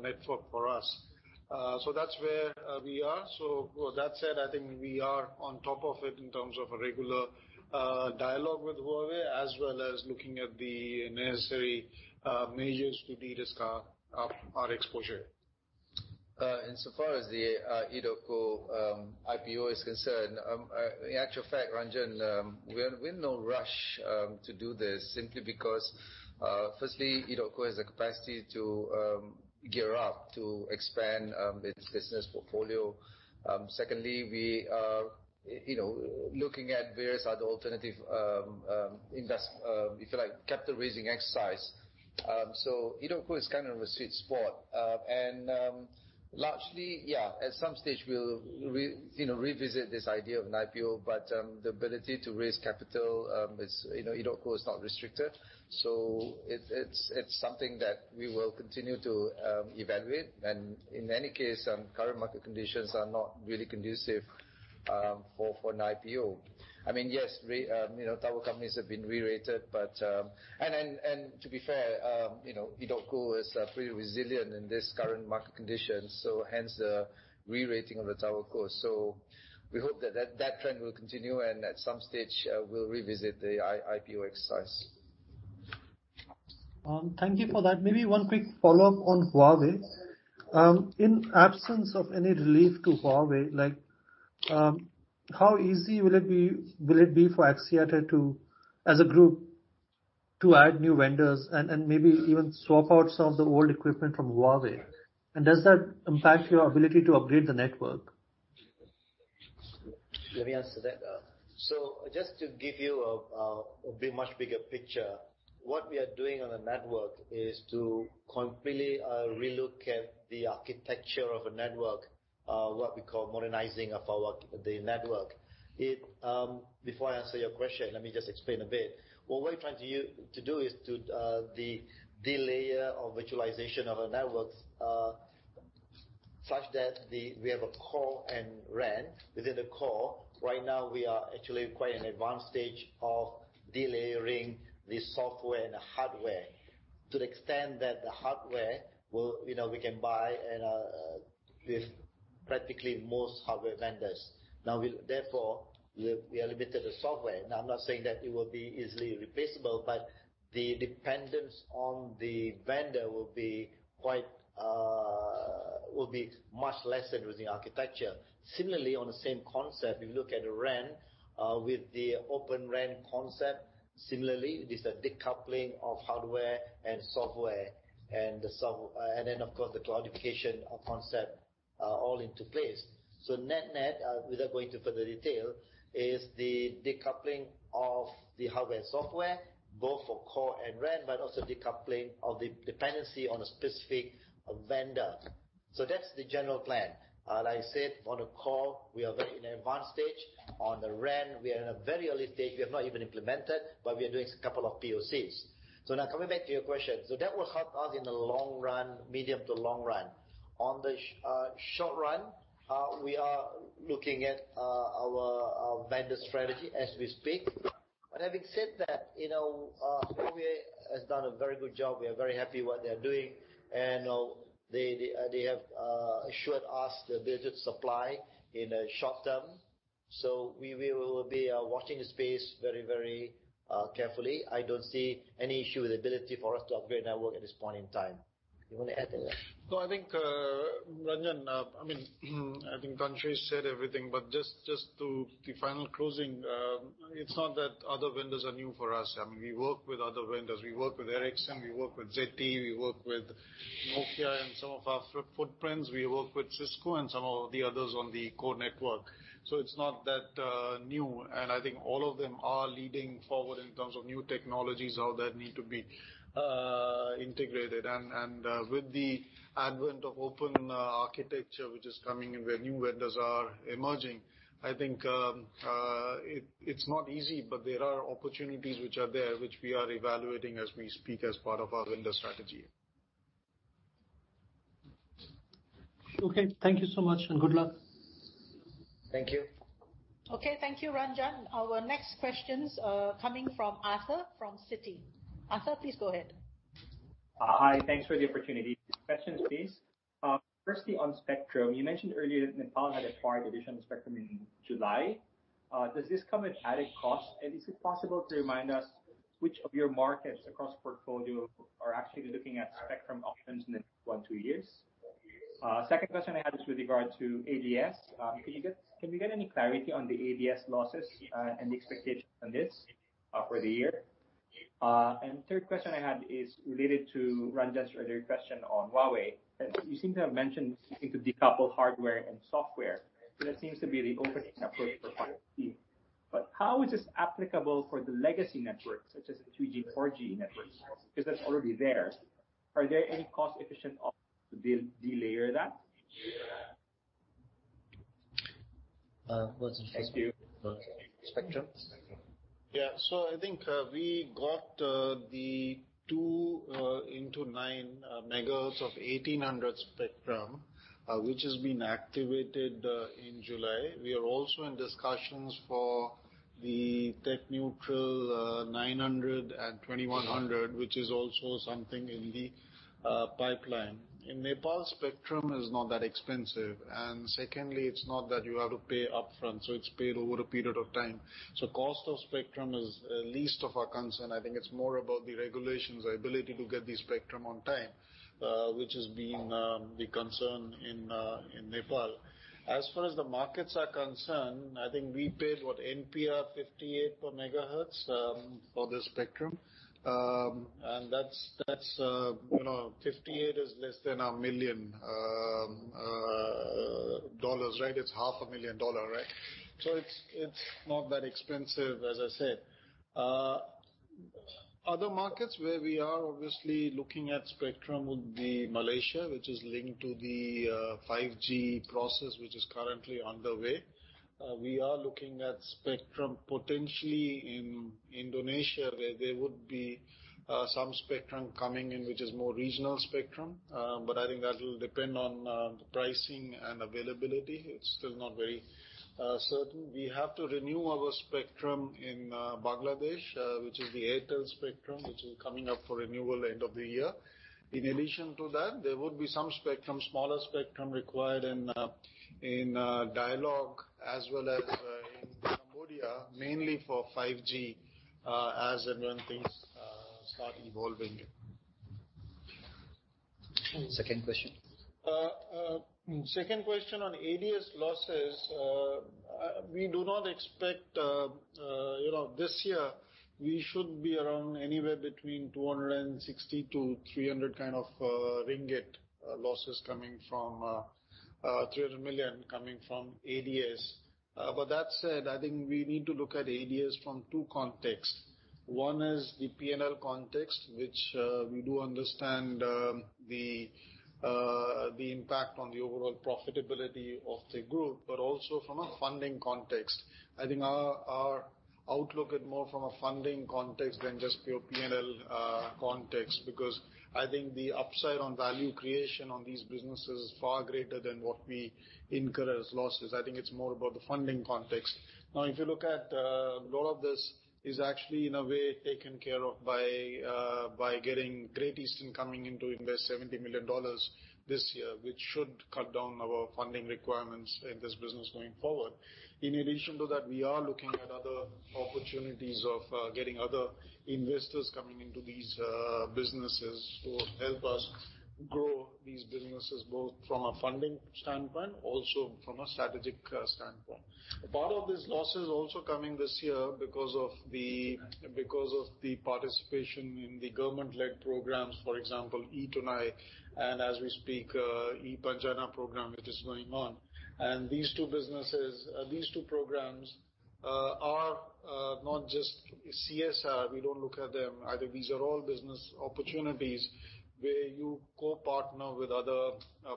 network for us. That's where we are. With that said, I think we are on top of it in terms of a regular dialogue with Huawei, as well as looking at the necessary measures to de-risk our exposure. Insofar as the edotco IPO is concerned, in actual fact, Ranjan, we're in no rush to do this simply because, firstly, edotco has the capacity to gear up to expand its business portfolio. Secondly, we are looking at various other alternative invest if you like, capital-raising exercise. edotco is kind of a sweet spot. largely, yeah, at some stage we'll revisit this idea of an IPO, but the ability to raise capital is, edotco is not restricted. It's something that we will continue to evaluate. In any case, current market conditions are not really conducive for an IPO. Yes, tower companies have been rerated. To be fair, edotco is pretty resilient in this current market condition, so hence the rerating of the tower co. We hope that that trend will continue, and at some stage we'll revisit the IPO exercise. Thank you for that. Maybe one quick follow-up on Huawei. In absence of any relief to Huawei, how easy will it be for Axiata as a group to add new vendors and maybe even swap out some of the old equipment from Huawei? Does that impact your ability to upgrade the network? Let me answer that. Just to give you a much bigger picture. What we are doing on the network is to completely relook at the architecture of a network, what we call modernizing of the network. Before I answer your question, let me just explain a bit. What we're trying to do is to delayer or virtualization of a network Such that we have a core and RAN. Within the core, right now we are actually quite an advanced stage of delayering the software and the hardware to the extent that the hardware we can buy and with practically most hardware vendors. Therefore, we are limited to software. I'm not saying that it will be easily replaceable, but the dependence on the vendor will be much less than with the architecture. Similarly, on the same concept, if you look at the RAN, with the Open RAN concept, similarly, it is a decoupling of hardware and software and then, of course, the cloudification of concept all into place. Net, without going to further detail, is the decoupling of the hardware and software, both for core and RAN, but also decoupling of the dependency on a specific vendor. That's the general plan. Like I said, on the core, we are very in advanced stage. On the RAN, we are in a very early stage. We have not even implemented, but we are doing a couple of POCs. Now coming back to your question. That will help us in the long run, medium to long run. On the short run, we are looking at our vendor strategy as we speak. Having said that, Huawei has done a very good job. We are very happy what they are doing, and they have assured us the ability to supply in the short term. We will be watching the space very carefully. I don't see any issue with the ability for us to upgrade network at this point in time. You want to add anything? No, I think, Ranjan, I think Tan Sri said everything. Just to the final closing. It's not that other vendors are new for us. We work with other vendors. We work with Ericsson, we work with ZTE, we work with Nokia in some of our footprints. We work with Cisco and some of the others on the core network. It's not that new, I think all of them are leading forward in terms of new technologies, how that need to be integrated. With the advent of open architecture, which is coming and where new vendors are emerging, I think it's not easy, there are opportunities which are there, which we are evaluating as we speak as part of our vendor strategy. Okay. Thank you so much, and good luck. Thank you. Okay. Thank you, Ranjan. Our next questions coming from Arthur from Citi. Arthur, please go ahead. Hi. Thanks for the opportunity. Two questions, please. Firstly, on spectrum, you mentioned earlier that Nepal had acquired additional spectrum in July. Does this come at added cost? Is it possible to remind us which of your markets across portfolio are actually looking at spectrum auctions in the next one, two years? Second question I had is with regard to ADS. Can we get any clarity on the ADS losses and the expectation on this for the year? Third question I had is related to Ranjan's earlier question on Huawei. You seem to have mentioned seeking to decouple hardware and software. That seems to be the opening approach for 5G. How is this applicable for the legacy networks such as 3G, 4G networks, because that's already there. Are there any cost-efficient options to delayer that? What's the first question? Thank you. Spectrum. Yeah. I think, we got the two into nine megahertz of 1,800 spectrum, which has been activated in July. We are also in discussions for the tech neutral 900 and 2,100, which is also something in the pipeline. In Nepal, spectrum is not that expensive, and secondly, it's not that you have to pay upfront, so it's paid over a period of time. Cost of spectrum is least of our concern. I think it's more about the regulations, the ability to get the spectrum on time, which has been the concern in Nepal. As far as the markets are concerned, I think we paid what NPR 58 per megahertz for the spectrum. That's 58 is less than $1 million, right? It's half a million dollar, right? It's not that expensive, as I said. Other markets where we are obviously looking at spectrum would be Malaysia, which is linked to the 5G process, which is currently underway. We are looking at spectrum potentially in Indonesia, where there would be some spectrum coming in, which is more regional spectrum. I think that will depend on the pricing and availability. It is still not very certain. We have to renew our spectrum in Bangladesh, which is the Airtel spectrum, which is coming up for renewal end of the year. In addition to that, there would be some spectrum, smaller spectrum required in Dialog as well as in Cambodia, mainly for 5G, as and when things start evolving. Second question. Second question on ADS losses. We do not expect this year we should be around anywhere between 260-300 kind of MYR losses coming from, 300 million coming from ADS. That said, I think we need to look at ADS from two contexts. One is the P&L context, which we do understand the impact on the overall profitability of the group, but also from a funding context. I think our outlook at more from a funding context than just pure P&L context, because I think the upside on value creation on these businesses is far greater than what we incur as losses. I think it's more about the funding context. If you look at a lot of this is actually, in a way, taken care of by getting Great Eastern coming in to invest $70 million this year, which should cut down our funding requirements in this business going forward. In addition to that, we are looking at other opportunities of getting other investors coming into these businesses to help us grow these businesses, both from a funding standpoint, also from a strategic standpoint. A part of this loss is also coming this year because of the participation in the government-led programs, for example, e-Tunai, and as we speak, ePENJANA program, which is going on. These two programs are not just CSR. We don't look at them. These are all business opportunities where you co-partner with other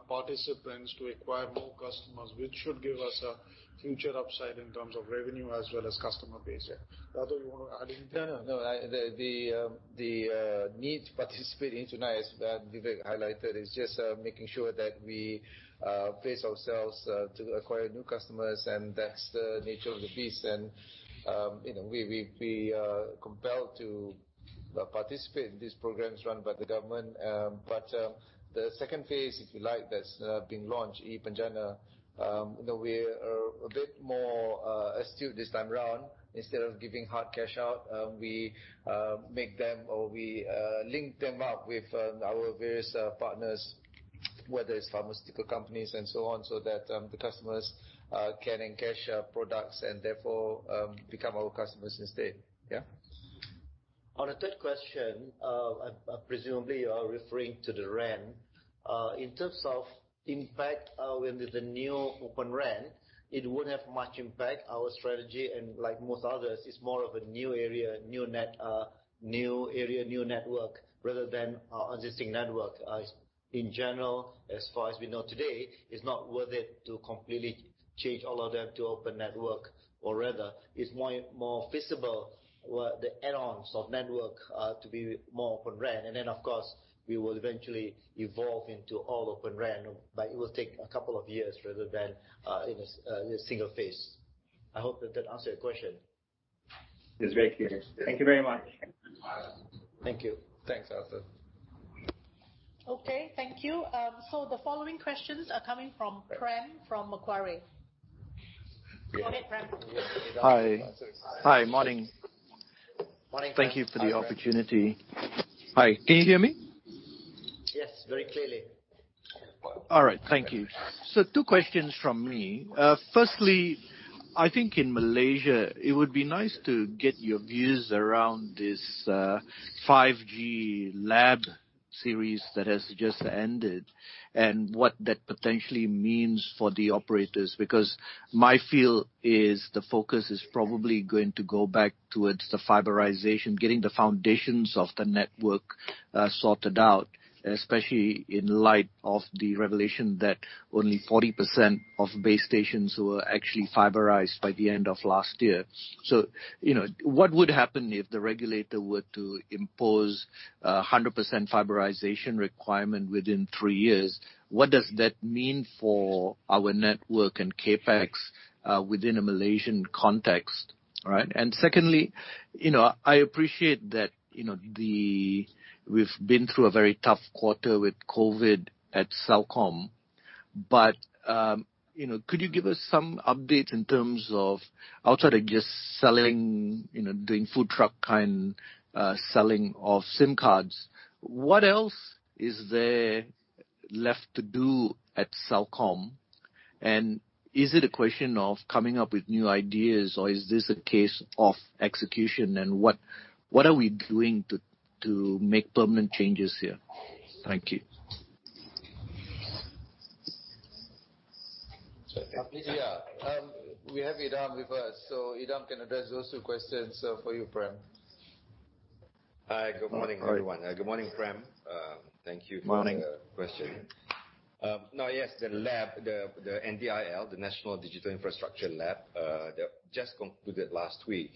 participants to acquire more customers, which should give us a future upside in terms of revenue as well as customer base. Yeah. Dato', you want to add anything? No. The need to participate in Tunai, as Vivek highlighted, is just making sure that we place ourselves to acquire new customers, and that's the nature of the beast. We are compelled to participate in these programs run by the government. The second phase, if you like, that's being launched, ePENJANA. We're a bit more astute this time around. Instead of giving hard cash out, we link them up with our various partners, whether it's pharmaceutical companies and so on, so that the customers can encash products and therefore become our customers instead. Yeah. On the third question, presumably you are referring to the RAN. In terms of impact with the new Open RAN, it wouldn't have much impact. Our strategy, like most others, is more of a new area, new network, rather than our existing network. In general, as far as we know today, it's not worth it to completely change all of them to open network. Rather, it's more feasible where the add-ons of network are to be more Open RAN. Of course, we will eventually evolve into all Open RAN. It will take a couple of years rather than in a single phase. I hope that that answered your question. Yes, very clear. Thank you very much. Thank you. Thanks, Arthur. Okay. Thank you. The following questions are coming from Prem from Macquarie. Go ahead, Prem. Hi. Morning. Morning. Thank you for the opportunity. Hi. Can you hear me? Yes, very clearly. All right. Thank you. Two questions from me. Firstly, I think in Malaysia, it would be nice to get your views around this 5G Lab Series that has just ended and what that potentially means for the operators. My feel is the focus is probably going to go back towards the fiberization, getting the foundations of the network sorted out, especially in light of the revelation that only 40% of base stations were actually fiberized by the end of last year. What would happen if the regulator were to impose 100% fiberization requirement within three years? What does that mean for our network and CapEx within a Malaysian context? Right. Secondly, I appreciate that we've been through a very tough quarter with COVID at Celcom. Could you give us some update in terms of outside of just doing food truck-kind selling of SIM cards, what else is there left to do at Celcom? Is it a question of coming up with new ideas or is this a case of execution? What are we doing to make permanent changes here? Thank you. Yeah. We have Idham with us. Idham can address those two questions for you, Prem. Hi. Good morning, everyone. Hi. Good morning, Prem. Morning. For the question. Now, yes, the lab, the NDIL, the National Digital Infrastructure Lab, that just concluded last week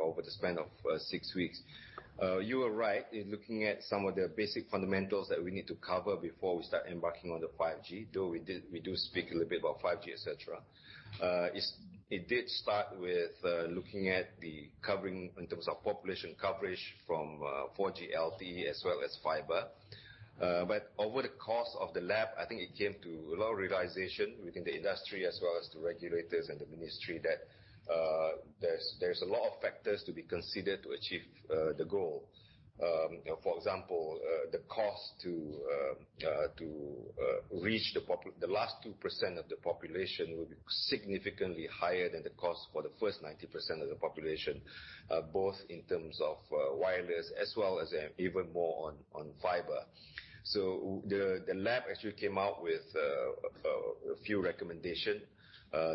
over the span of six weeks. You are right in looking at some of the basic fundamentals that we need to cover before we start embarking on the 5G, though we do speak a little bit about 5G, et cetera. It did start with looking at the covering in terms of population coverage from 4G LTE as well as fiber. Over the course of the lab, I think it came to a lot of realization within the industry as well as the regulators and the ministry that there's a lot of factors to be considered to achieve the goal. For example, the cost to reach the last 2% of the population will be significantly higher than the cost for the first 90% of the population, both in terms of wireless as well as even more on fiber. The lab actually came out with a few recommendation,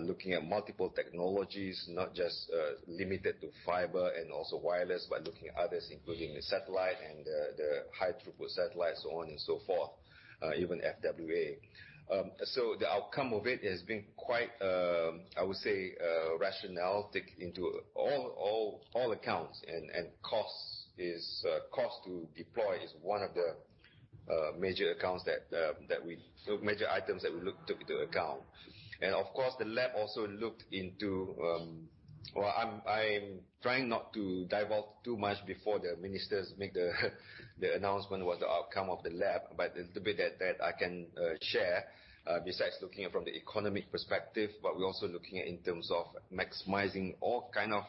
looking at multiple technologies, not just limited to fiber and also wireless, but looking at others, including the satellite and the high throughput satellite, so on and so forth, even FWA. The outcome of it has been quite, I would say, rational, taking into all accounts, and cost to deploy is one of the major items that we took into account. Of course, the lab also looked into Well, I'm trying not to dive out too much before the ministers make the announcement what the outcome of the lab, the little bit that I can share, besides looking at from the economic perspective, we're also looking at in terms of maximizing all kind of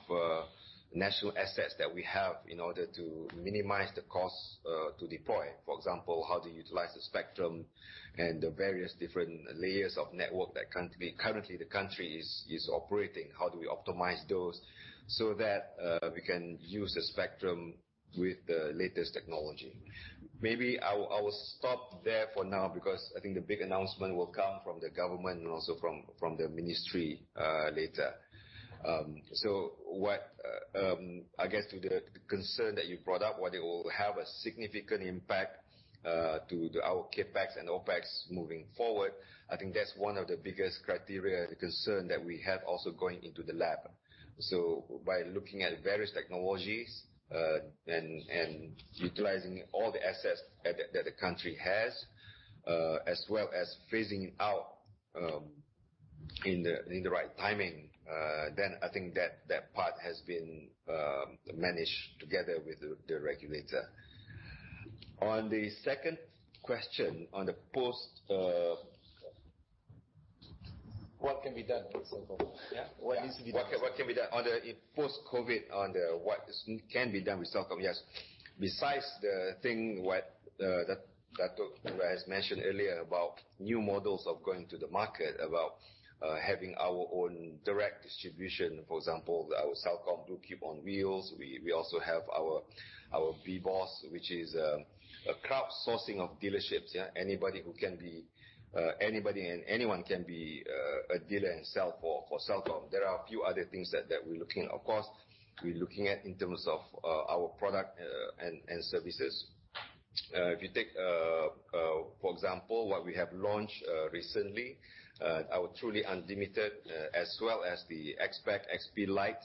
national assets that we have in order to minimize the cost to deploy. For example, how to utilize the spectrum and the various different layers of network that currently the country is operating. How do we optimize those so that we can use the spectrum with the latest technology? Maybe I will stop there for now because I think the big announcement will come from the government and also from the ministry later. I guess to the concern that you brought up, whether it will have a significant impact to our CapEx and OpEx moving forward, I think that's one of the biggest criteria and concern that we have also going into the lab. By looking at various technologies, and utilizing all the assets that the country has, as well as phasing out in the right timing, then I think that part has been managed together with the regulator. On the second question, on the post- What can be done at Celcom? Yeah? What needs to be done. What can be done on the post-COVID, on what can be done with Celcom. Yes. Besides the thing what Dato' has mentioned earlier about new models of going to the market, about having our own direct distribution. For example, our Celcom BlueCube on wheels. We also have our beBOSS, which is a crowdsourcing of dealerships. Anybody and anyone can be a dealer and sell for Celcom. There are a few other things that we're looking. Of course, we're looking at in terms of our product and services. If you take, for example, what we have launched recently, our Truly Unlimited, as well as the Xpax XP Lite,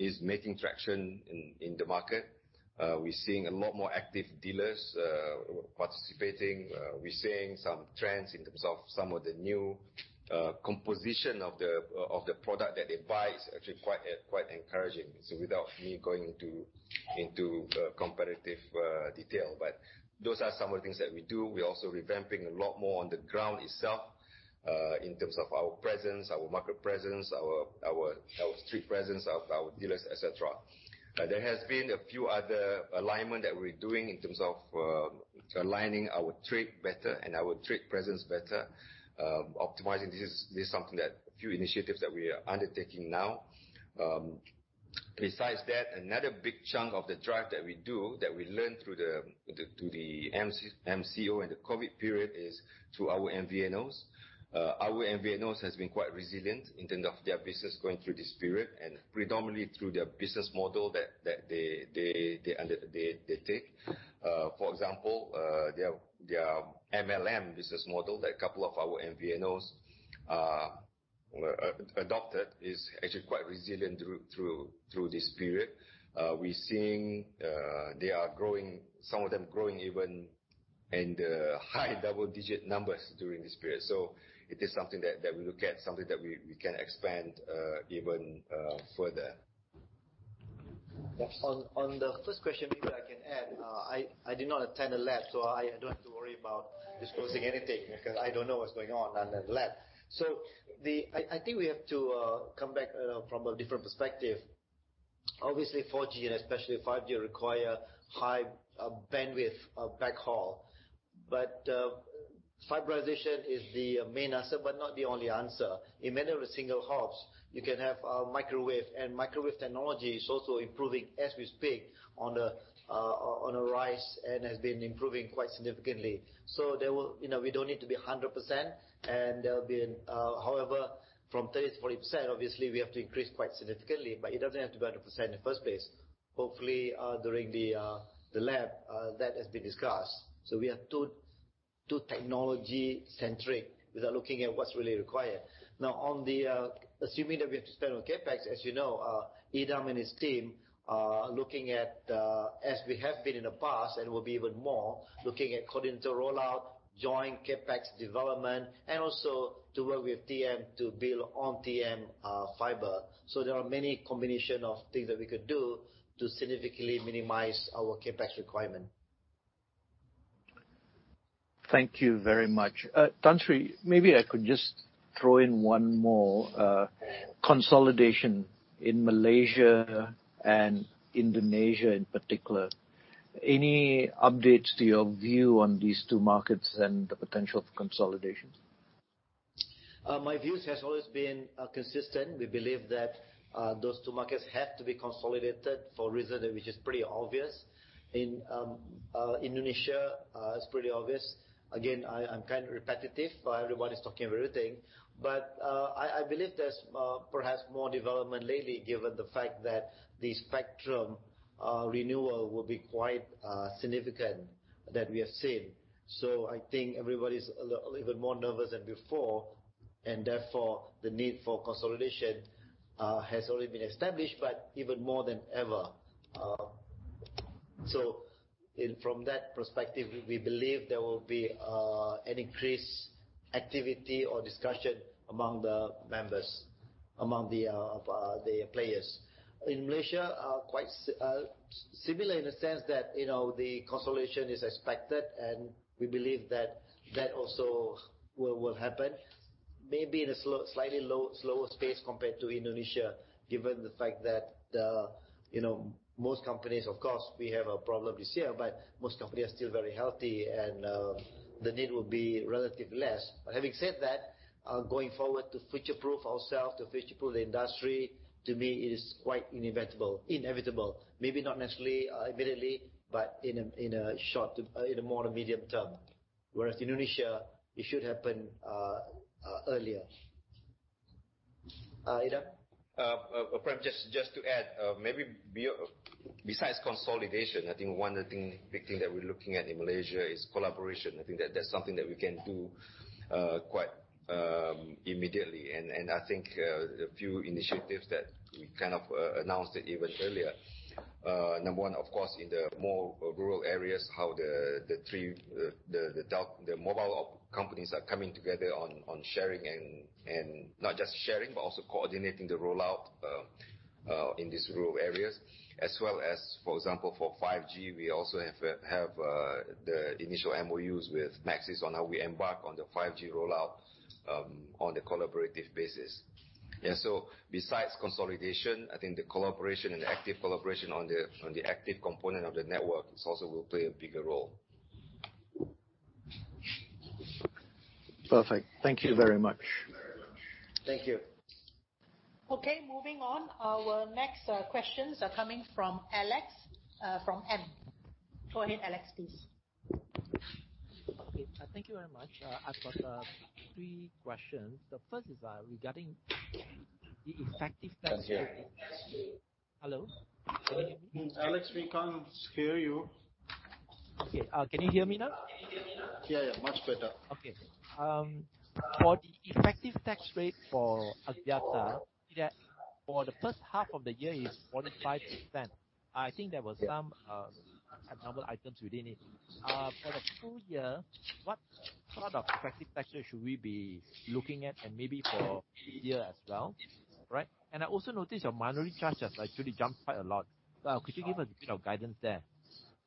is making traction in the market. We're seeing a lot more active dealers participating. We're seeing some trends in terms of some of the new composition of the product that they buy is actually quite encouraging. Without me going into comparative detail, those are some of the things that we do. We're also revamping a lot more on the ground itself, in terms of our presence, our market presence, our street presence of our dealers, et cetera. There has been a few other alignments that we're doing in terms of aligning our trade better and our trade presence better. This is something that a few initiatives that we are undertaking now. Besides that, another big chunk of the drive that we do, that we learn through the MCO and the COVID period, is through our MVNOs. Our MVNOs have been quite resilient in terms of their business going through this period and predominantly through their business model that they take. For example, their MLM business model that a couple of our MVNOs adopted is actually quite resilient through this period. We're seeing some of them growing even in the high double-digit numbers during this period. It is something that we look at, something that we can expand even further. On the first question, maybe I can add, I did not attend the National Digital Infrastructure Lab, I don't have to worry about disclosing anything because I don't know what's going on in the National Digital Infrastructure Lab. I think we have to come back from a different perspective. Obviously, 4G and especially 5G require high bandwidth backhaul. Fiberization is the main answer, but not the only answer. In many of the single hops, you can have microwave, and microwave technology is also improving as we speak, on a rise, and has been improving quite significantly. We don't need to be 100%. However, from 30%-40%, obviously, we have to increase quite significantly, but it doesn't have to be 100% in the first place. Hopefully, during the National Digital Infrastructure Lab, that has been discussed. We are too technology-centric without looking at what's really required. Assuming that we have to spend on CapEx, as you know, Idham and his team are looking at, as we have been in the past and will be even more, looking at co-densification rollout, joint CapEx development, and also to work with TM to build on TM fiber. There are many combination of things that we could do to significantly minimize our CapEx requirement. Thank you very much. Tan Sri, maybe I could just throw in one more. Consolidation in Malaysia and Indonesia in particular. Any updates to your view on these two markets and the potential for consolidations? My views has always been consistent. We believe that those two markets have to be consolidated for a reason which is pretty obvious. In Indonesia, it's pretty obvious. Again, I'm kind of repetitive. Everybody's talking everything. I believe there's perhaps more development lately, given the fact that the spectrum renewal will be quite significant that we have seen. I think everybody's a little bit more nervous than before, and therefore, the need for consolidation has already been established, but even more than ever. From that perspective, we believe there will be an increased activity or discussion among the members, among the players. In Malaysia, quite similar in the sense that the consolidation is expected. We believe that that also will happen maybe in a slightly slower pace compared to Indonesia, given the fact that most companies, of course, we have a problem this year, but most companies are still very healthy and the need will be relatively less. Having said that, going forward to future-proof ourselves, to future-proof the industry, to me, it is quite inevitable. Maybe not necessarily immediately, but in a more medium term, whereas Indonesia, it should happen earlier. Idham? Prem, just to add, maybe besides consolidation, I think one other big thing that we're looking at in Malaysia is collaboration. I think that that's something that we can do quite immediately, and I think a few initiatives that we kind of announced it even earlier. Number one, of course, in the more rural areas, how the mobile companies are coming together on sharing and not just sharing but also coordinating the rollout in these rural areas as well as, for example, for 5G, we also have the initial MOUs with Maxis on how we embark on the 5G rollout on the collaborative basis. Yeah, besides consolidation, I think the collaboration and active collaboration on the active component of the network also will play a bigger role. Perfect. Thank you very much. Thank you. Okay. Moving on. Our next questions are coming from Alex from [AmInvestment]. Go ahead, Alex, please. Okay. Thank you very much. I've got three questions. The first is regarding the effective tax-. Can't hear. Hello? Can you hear me? Alex, we can't hear you. Okay. Can you hear me now? Yeah. Much better. Okay. For the effective tax rate for Axiata, for the first half of the year is 45%. I think there were some abnormal items within it. For the full year, what sort of effective tax rate should we be looking at and maybe for this year as well, right? I also noticed your minority charge has actually jumped quite a lot. Could you give us a bit of guidance there?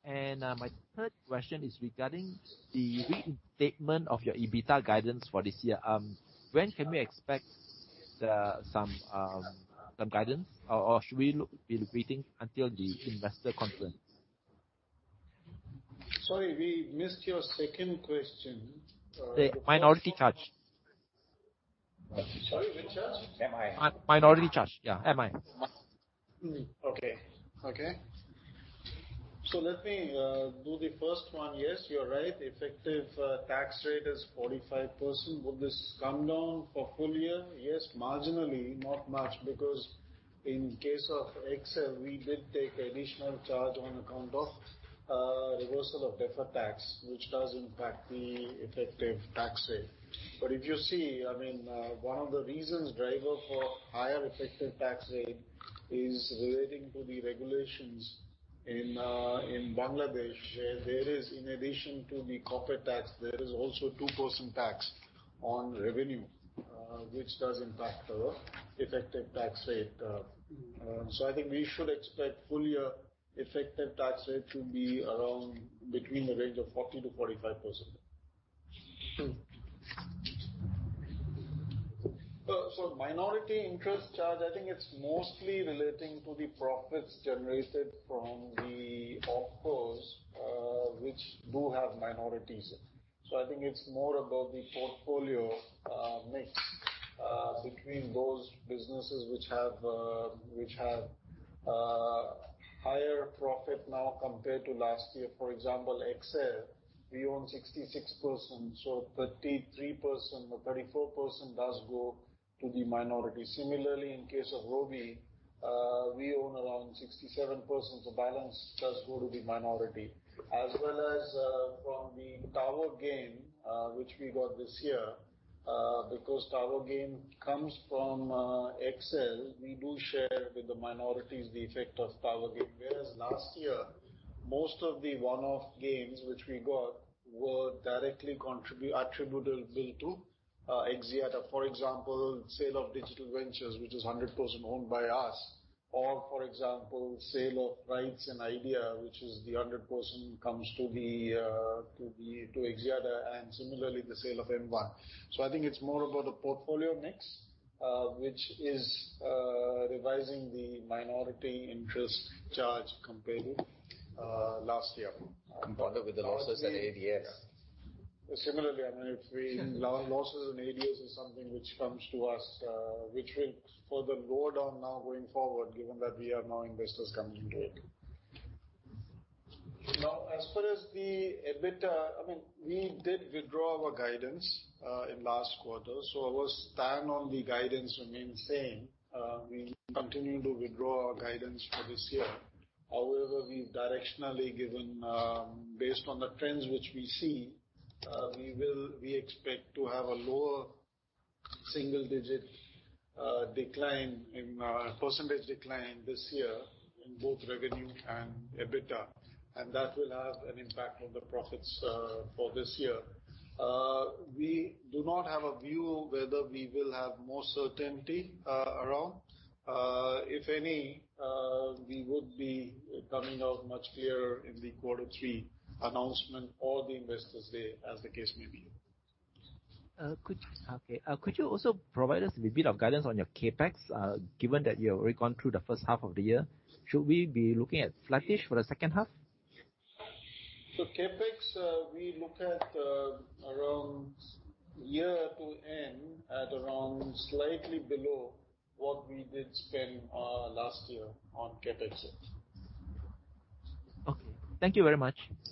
My third question is regarding the restatement of your EBITDA guidance for this year. When can we expect some guidance, or should we be waiting until the investor conference? Sorry, we missed your second question. The minority charge. Sorry, which charge? MI. Minority charge. Yeah, MI. Okay. Let me do the first one. Yes, you're right, effective tax rate is 45%. Will this come down for full year? Yes, marginally. Not much because in case of XL, we did take additional charge on account of reversal of deferred tax, which does impact the effective tax rate. If you see, one of the reasons, driver for higher effective tax rate is relating to the regulations in Bangladesh, where there is in addition to the corporate tax, there is also 2% tax on revenue, which does impact the effective tax rate. I think we should expect full year effective tax rate to be around between the range of 40%-45%. Minority interest charge, I think it's mostly relating to the profits generated from the OpCos, which do have minorities. I think it's more about the portfolio mix between those businesses which have higher profit now compared to last year. For example, XL, we own 66%, so 33% or 34% does go to the minority. Similarly, in case of Robi, we own around 67%, so balance does go to the minority. As well as from the tower gains, which we got this year, because tower gains comes from XL, we do share with the minorities the effect of tower gains, whereas last year, most of the one-off gains which we got were directly attributable to Axiata. For example, sale of Digital Ventures, which is 100% owned by us. Or for example, sale of rights in Idea, which is the 100% comes to Axiata, and similarly, the sale of M1. I think it's more about the portfolio mix, which is revising the minority interest charge compared to last year. Compounded with the losses in ADS. Similarly, if losses in ADS is something which comes to us, which will further go down now going forward, given that we are now investors coming into it. Now, as far as the EBITDA, we did withdraw our guidance in last quarter. Our stand on the guidance remains same. We continue to withdraw our guidance for this year. However, we've directionally given, based on the trends which we see, we expect to have a lower single-digit decline in percentage decline this year in both revenue and EBITDA, and that will have an impact on the profits for this year. We do not have a view whether we will have more certainty around. If any, we would be coming out much clearer in the quarter three announcement or the Investors Day, as the case may be. Okay. Could you also provide us with a bit of guidance on your CapEx, given that you have already gone through the first half of the year? Should we be looking at flattish for the second half? CapEx, we look at around year-to-end at around slightly below what we did spend last year on CapEx. Okay. Thank you very much. Perfect.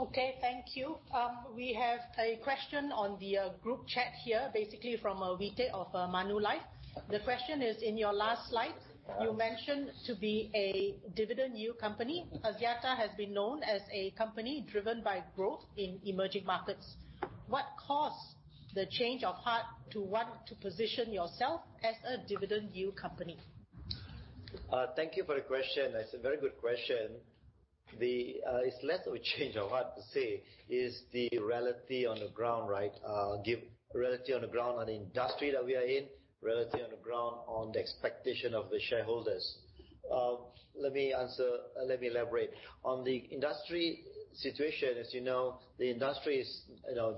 Okay, thank you. We have a question on the group chat here, basically from Wite of Manulife. The question is, in your last slide, you mentioned to be a dividend yield company. Axiata has been known as a company driven by growth in emerging markets. What caused the change of heart to want to position yourself as a dividend yield company? Thank you for the question. It's a very good question. It's less of a change of heart to say, is the reality on the ground right. Reality on the ground on the industry that we are in, reality on the ground on the expectation of the shareholders. Let me elaborate. On the industry situation, as you know, the industry is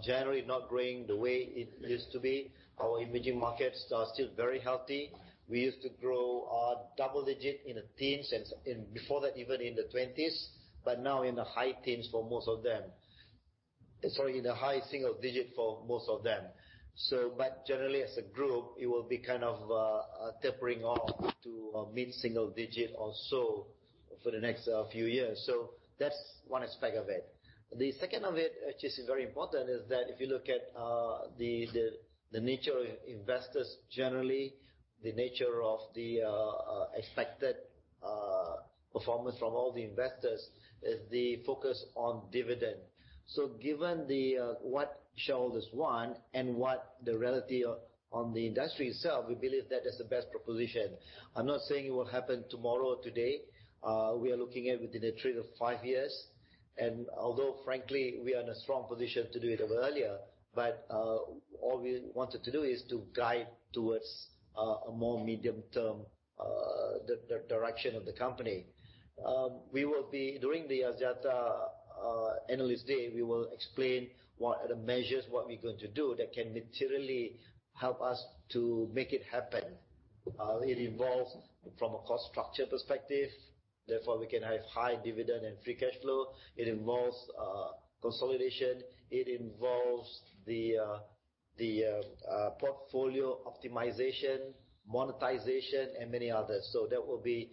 generally not growing the way it used to be. Our emerging markets are still very healthy. We used to grow double-digit in the teens, and before that, even in the twenties, but now in the high teens for most of them. Sorry, in the high single digit for most of them. Generally, as a group, it will be tapering off to mid-single digit or so for the next few years. That's one aspect of it. The second of it, which is very important, is that if you look at the nature of investors, generally, the nature of the expected performance from all the investors is the focus on dividend. Given what shareholders want and what the reality on the industry itself, we believe that that's the best proposition. I'm not saying it will happen tomorrow or today. We are looking at within a trail of five years. Although frankly, we are in a strong position to do it a bit earlier, but all we wanted to do is to guide towards a more medium-term direction of the company. During the Axiata Analyst & Investor Day, we will explain what are the measures, what we're going to do that can materially help us to make it happen. It involves from a cost structure perspective, therefore, we can have high dividend and free cash flow. It involves consolidation, it involves the portfolio optimization, monetization, and many others. That will be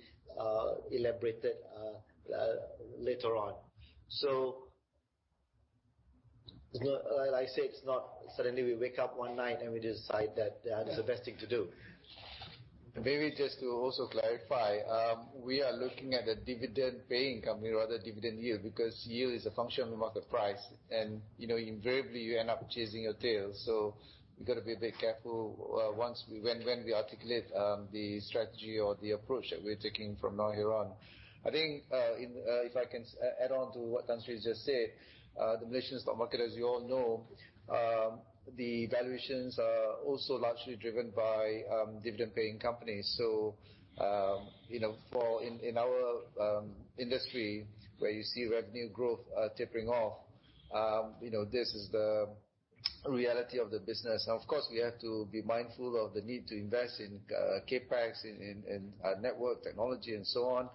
elaborated later on. Like I said, it's not suddenly we wake up one night and we decide that is the best thing to do. Maybe just to also clarify, we are looking at a dividend-paying company rather dividend yield, because yield is a function of the market price. Invariably, you end up chasing your tail. We got to be a bit careful when we articulate the strategy or the approach that we're taking from now here on. I think if I can add on to what Tan Sri just said, the Malaysian stock market, as you all know, the valuations are also largely driven by dividend-paying companies. In our industry where you see revenue growth tapering off, this is the reality of the business. Now, of course, we have to be mindful of the need to invest in CapEx, in network technology and so on.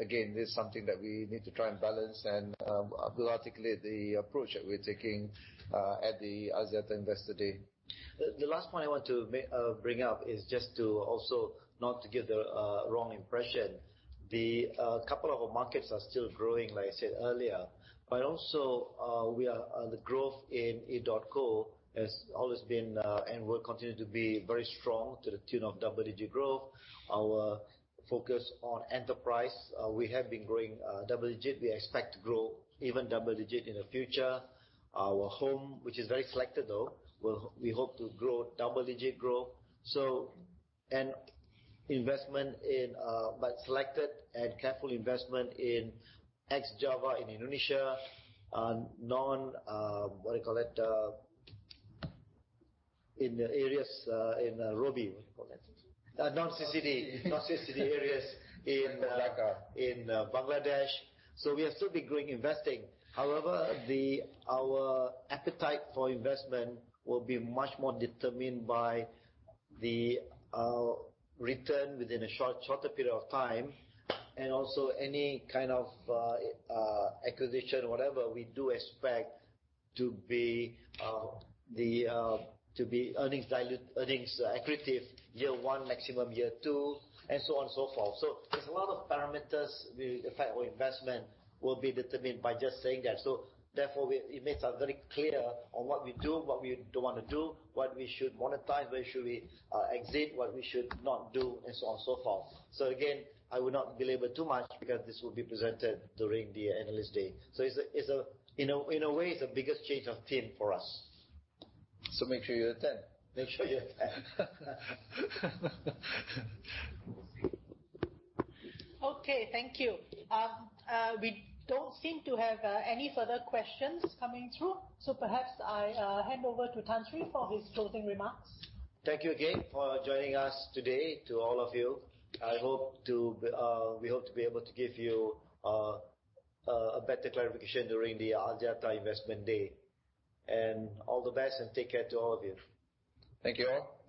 Again, this is something that we need to try and balance, and I will articulate the approach that we're taking at the Axiata Investor Day. The last point I want to bring up is just to also not to give the wrong impression. The couple of markets are still growing, like I said earlier, but also the growth in edotco has always been, and will continue to be, very strong to the tune of double-digit growth. Our focus on enterprise, we have been growing double-digit. We expect to grow even double-digit in the future. Our home, which is very selected though, we hope to grow double-digit growth. Selected and careful investment in ex-Java in Indonesia, what do you call it? In the areas in Robi. What do you call that? [CBD]. [Non-CBD] areas in-. In Dhaka. in Bangladesh. We are still be growing, investing. However, our appetite for investment will be much more determined by the return within a shorter period of time, and also any kind of acquisition, whatever, we do expect to be earnings accretive year one, maximum year two, and so on and so forth. There's a lot of parameters with effect of investment will be determined by just saying that. Therefore, it makes us very clear on what we do, what we don't want to do, what we should monetize, where should we exit, what we should not do, and so on and so forth. Again, I would not belabor too much because this will be presented during the Analyst Day. In a way, it's the biggest change of team for us. Make sure you attend. Make sure you attend. Okay, thank you. We don't seem to have any further questions coming through, so perhaps I hand over to Tan Sri for his closing remarks. Thank you again for joining us today to all of you. We hope to be able to give you a better clarification during the Axiata Analyst & Investor Day. All the best, and take care to all of you. Thank you all.